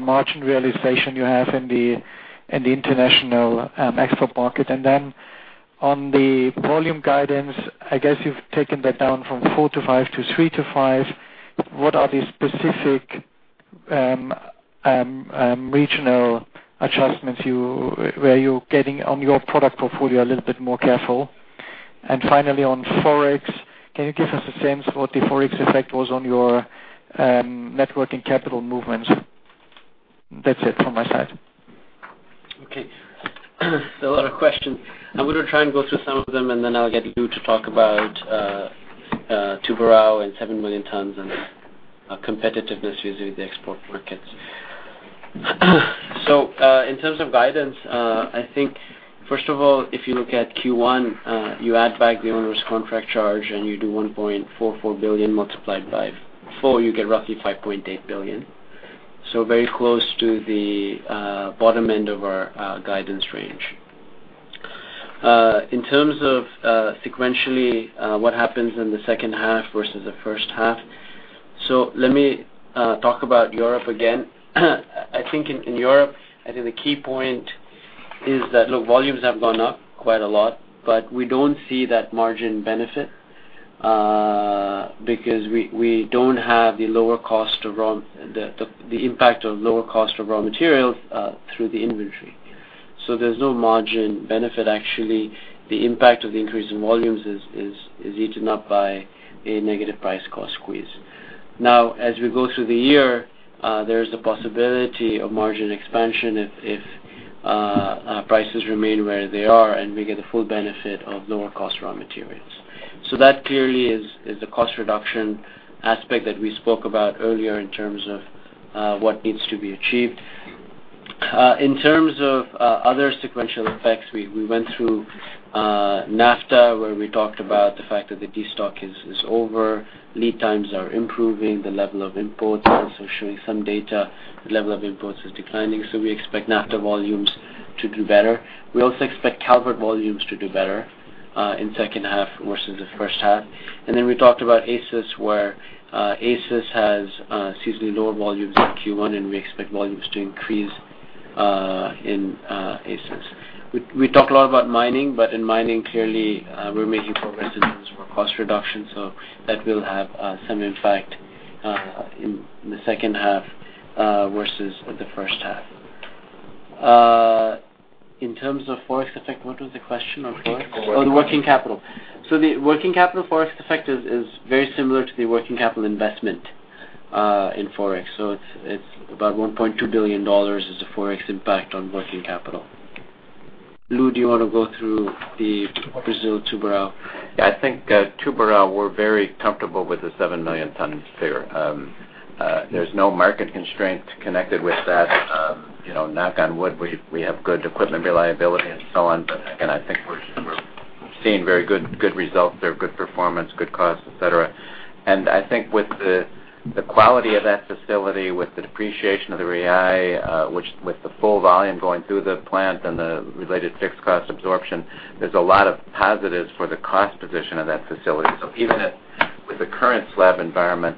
margin realization you have in the international export market? Then on the volume guidance, I guess you've taken that down from four to five to three to five. What are the specific regional adjustments where you're getting on your product portfolio a little bit more careful? Finally, on Forex, can you give us a sense what the Forex effect was on your net working capital movements? That's it from my side. A lot of questions. I'm going to try and go through some of them, and then I'll get you to talk about Tubarão and 7 million tons and competitiveness vis-à-vis the export markets. In terms of guidance, I think first of all, if you look at Q1, you add back the onerous contract charge, and you do 1.44 billion multiplied by four, you get roughly 5.8 billion. Very close to the bottom end of our guidance range. In terms of sequentially, what happens in the second half versus the first half. Let me talk about Europe again. I think in Europe, I think the key point is that, look, volumes have gone up quite a lot, but we don't see that margin benefit, because we don't have the impact of lower cost of raw materials through the inventory. There's no margin benefit. Actually, the impact of the increase in volumes is eaten up by a negative price cost squeeze. Now, as we go through the year, there is a possibility of margin expansion if prices remain where they are, and we get the full benefit of lower cost raw materials. That clearly is a cost reduction aspect that we spoke about earlier in terms of what needs to be achieved. In terms of other sequential effects, we went through NAFTA, where we talked about the fact that the destock is over. Lead times are improving. The level of imports, I'll also show you some data. The level of imports is declining, we expect NAFTA volumes to do better. We also expect Calvert volumes to do better in second half versus the first half. We talked about ACIS, where ACIS has seasonally lower volumes in Q1, and we expect volumes to increase in ACIS. We talked a lot about mining, but in mining, clearly, we're making progress in terms of our cost reduction. That will have some impact in the second half versus the first half. In terms of Forex effect, what was the question on Forex? Working capital. The working capital. The working capital Forex effect is very similar to the working capital investment in Forex. It's about $1.2 billion is the Forex impact on working capital. Lou, do you want to go through the Brazil Tubarão? I think Tubarão, we're very comfortable with the 7 million tons figure. There's no market constraint connected with that. Knock on wood, we have good equipment reliability and so on. Again, I think we're seeing very good results there, good performance, good cost, et cetera. I think with the quality of that facility, with the depreciation of the Real, which with the full volume going through the plant and the related fixed cost absorption, there's a lot of positives for the cost position of that facility. Even with the current slab environment,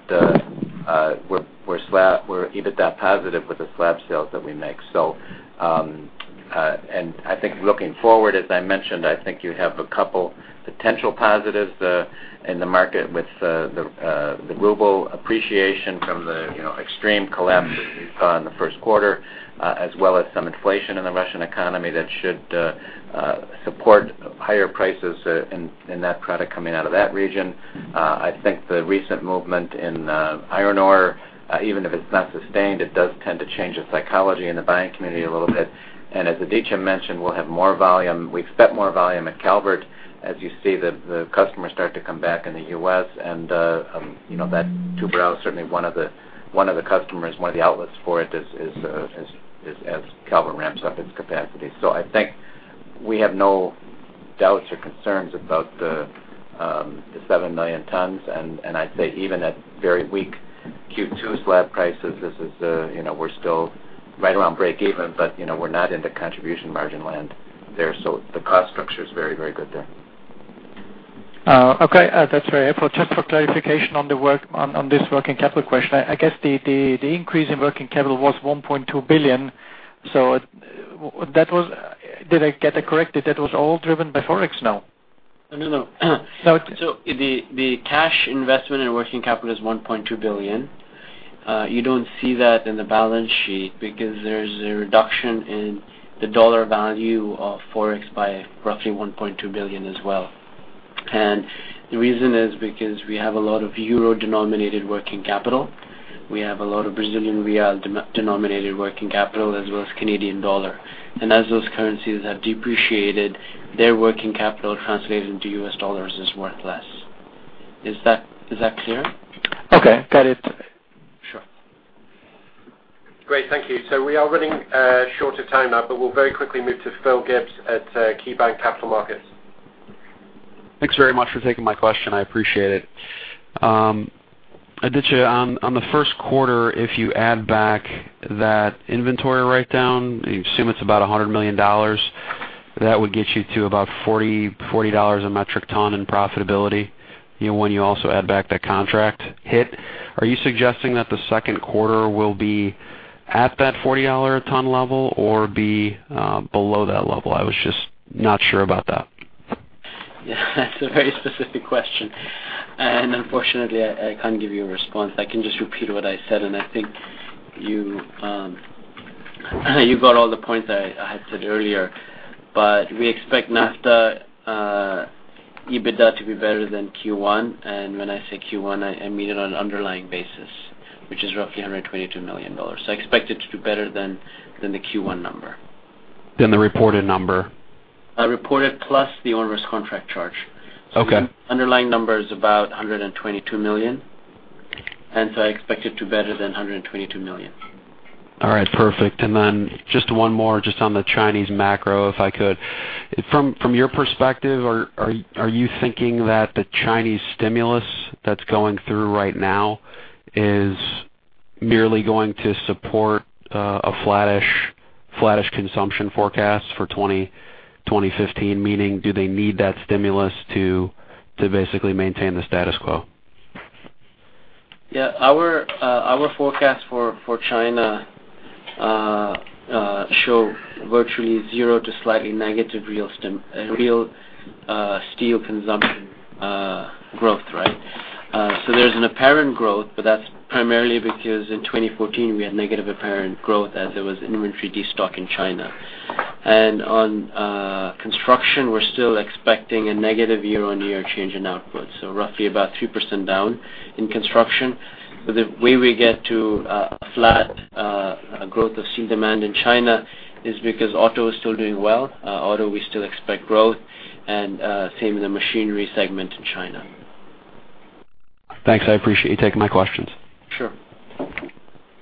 we're EBITDA positive with the slab sales that we make. I think looking forward, as I mentioned, I think you have a couple potential positives in the market with the Ruble appreciation from the extreme collapse that we saw in the first quarter, as well as some inflation in the Russian economy that should support higher prices in that product coming out of that region. I think the recent movement in iron ore, even if it's not sustained, it does tend to change the psychology in the buying community a little bit. As Aditya mentioned, we'll have more volume. We expect more volume at Calvert as you see the customers start to come back in the U.S., and that Tubarão is certainly one of the customers, one of the outlets for it as Calvert ramps up its capacity. I think we have no doubts or concerns about the 7 million tons, and I'd say even at very weak Q2 slab prices, we're still right around breakeven, but we're not into contribution margin land there. The cost structure's very, very good there. Okay. That's very helpful. Just for clarification on this working capital question, I guess the increase in working capital was $1.2 billion. Did I get it correct that that was all driven by Forex now? No, no. The cash investment in working capital is $1.2 billion. You don't see that in the balance sheet because there's a reduction in the dollar value of Forex by roughly $1.2 billion as well. The reason is because we have a lot of euro-denominated working capital. We have a lot of Brazilian real-denominated working capital, as well as Canadian dollar. As those currencies have depreciated, their working capital translated into U.S. dollars is worth less. Is that clear? Okay, got it. Sure. Great, thank you. We are running short of time now, but we'll very quickly move to Phil Gibbs at KeyBanc Capital Markets. Thanks very much for taking my question. I appreciate it. Aditya, on the first quarter, if you add back that inventory write-down, you assume it's about $100 million. That would get you to about $40 a metric ton in profitability. When you also add back that contract hit, are you suggesting that the second quarter will be at that $40-a-ton level or be below that level? I was just not sure about that. That's a very specific question, and unfortunately, I can't give you a response. I can just repeat what I said, and I think you got all the points I had said earlier. We expect NAFTA EBITDA to be better than Q1, and when I say Q1, I mean it on an underlying basis, which is roughly $122 million. I expect it to do better than the Q1 number. Than the reported number. Reported plus the onerous contract charge. Okay. Underlying number is about $122 million. I expect it to better than $122 million. All right, perfect. Just one more just on the Chinese macro, if I could. From your perspective, are you thinking that the Chinese stimulus that's going through right now is merely going to support a flattish consumption forecast for 2015? Meaning, do they need that stimulus to basically maintain the status quo? Yeah. Our forecast for China show virtually zero to slightly negative real steel consumption growth, right? There's an apparent growth, but that's primarily because in 2014, we had negative apparent growth as there was inventory de-stock in China. On construction, we're still expecting a negative year-on-year change in output. Roughly about 3% down in construction. The way we get to a flat growth of steel demand in China is because auto is still doing well. Auto, we still expect growth, and same in the machinery segment in China. Thanks. I appreciate you taking my questions. Sure.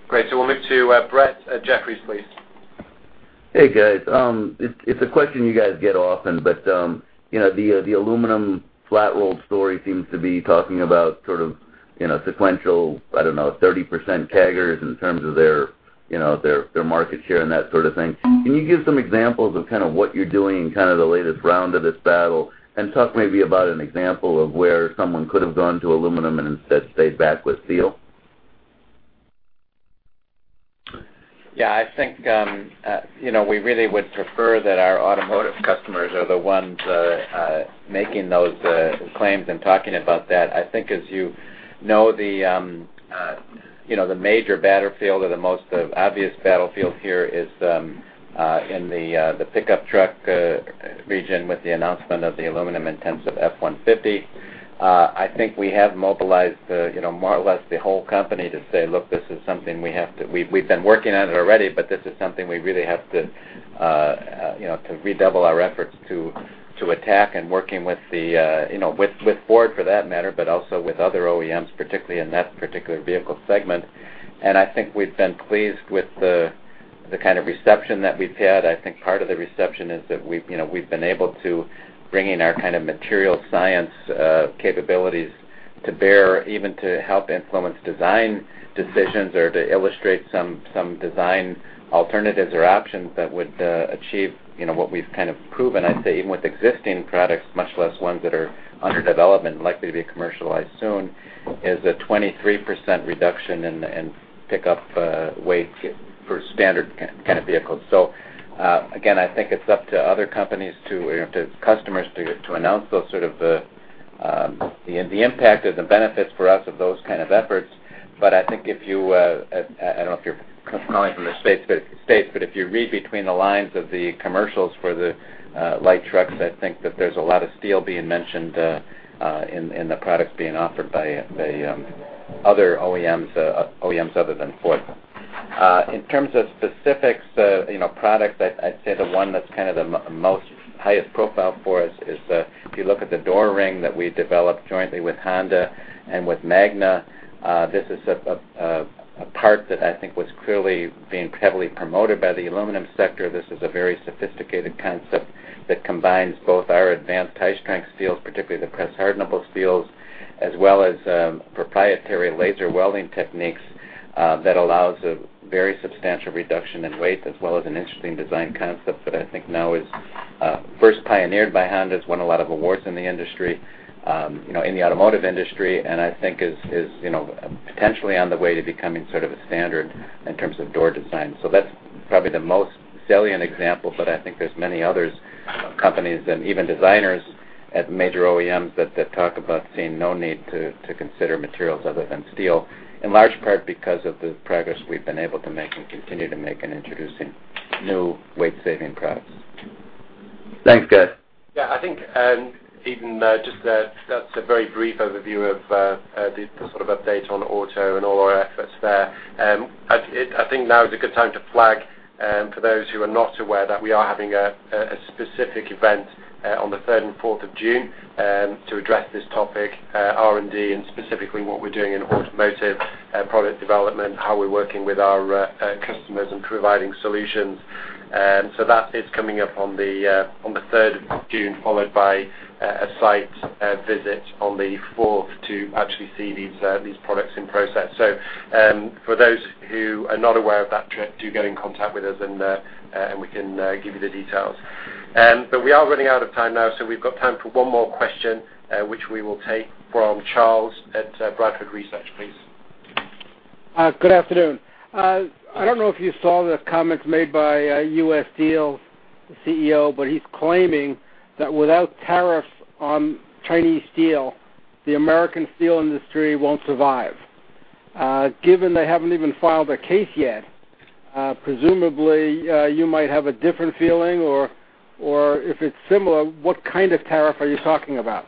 Great. We'll move to Brett at Jefferies, please. Hey, guys. It's a question you guys get often, the aluminum flat rolled story seems to be talking about sort of sequential, I don't know, 30% taggers in terms of their market share and that sort of thing. Can you give some examples of kind of what you're doing in kind of the latest round of this battle? Talk maybe about an example of where someone could have gone to aluminum and instead stayed back with steel. I think we really would prefer that our automotive customers are the ones making those claims and talking about that. I think as you know, the major battlefield or the most obvious battlefield here is in the pickup truck region with the announcement of the aluminum-intensive F-150. I think we have mobilized more or less the whole company to say, "Look, this is something we've been working on it already, but this is something we really have to redouble our efforts to attack," and working with Ford for that matter, but also with other OEMs, particularly in that particular vehicle segment. I think we've been pleased with the kind of reception that we've had. I think part of the reception is that we've been able to bring in our kind of material science capabilities to bear, even to help influence design decisions or to illustrate some design alternatives or options that would achieve what we've kind of proven, I'd say, even with existing products, much less ones that are under development and likely to be commercialized soon, is a 23% reduction in pickup weight for standard kind of vehicles. Again, I think it's up to other companies, to customers to announce those sort of. The impact of the benefits for us of those kind of efforts. I think, I don't know if you're calling from the U.S., but if you read between the lines of the commercials for the light trucks, I think that there's a lot of steel being mentioned in the products being offered by other OEMs other than Ford. In terms of specifics, products, I'd say the one that's the most highest profile for us is, if you look at the door ring that we developed jointly with Honda and with Magna, this is a part that I think was clearly being heavily promoted by the aluminum sector. This is a very sophisticated concept that combines both our advanced high-strength steel, particularly the cross-hardenable steels, as well as proprietary laser welding techniques that allows a very substantial reduction in weight, as well as an interesting design concept that I think now is first pioneered by Honda, has won a lot of awards in the industry, in the automotive industry, and I think is potentially on the way to becoming sort of a standard in terms of door design. That's probably the most salient example, I think there's many others, companies and even designers at major OEMs that talk about seeing no need to consider materials other than steel, in large part because of the progress we've been able to make and continue to make in introducing new weight-saving products. Thanks, guys. I think, Ethan, just that's a very brief overview of the sort of update on auto and all our efforts there. I think now is a good time to flag, for those who are not aware, that we are having a specific event on the third and fourth of June, to address this topic, R&D, and specifically what we're doing in automotive product development, how we're working with our customers and providing solutions. That is coming up on the 3rd of June, followed by a site visit on the 4th to actually see these products in process. For those who are not aware of that trip, do get in contact with us and we can give you the details. We are running out of time now, we've got time for one more question, which we will take from Charles at Bradford Research, please. Good afternoon. I don't know if you saw the comments made by US Steel's CEO, but he's claiming that without tariffs on Chinese steel, the American steel industry won't survive. Given they haven't even filed a case yet, presumably, you might have a different feeling, or if it's similar, what kind of tariff are you talking about?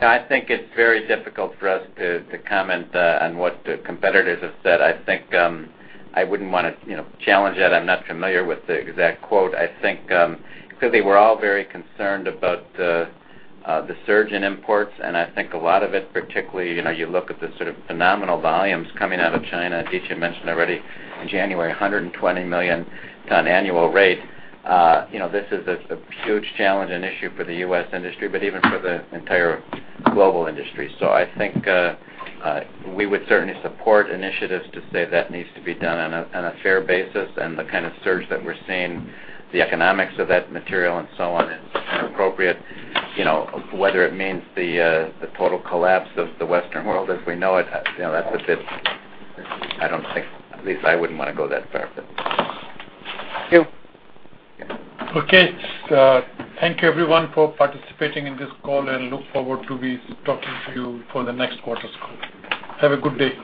I think it's very difficult for us to comment on what the competitors have said. I think, I wouldn't want to challenge that. I'm not familiar with the exact quote. I think, clearly, we're all very concerned about the surge in imports, and I think a lot of it, particularly, you look at the sort of phenomenal volumes coming out of China. Aditya mentioned already, in January, 120 million ton annual rate. This is a huge challenge and issue for the U.S. industry, but even for the entire global industry. I think, we would certainly support initiatives to say that needs to be done on a fair basis and the kind of surge that we're seeing, the economics of that material and so on is appropriate. Whether it means the total collapse of the Western world as we know it. At least I wouldn't want to go that far. Thank you. Okay. Thank you everyone for participating in this call, and look forward to be talking to you for the next quarters call. Have a good day.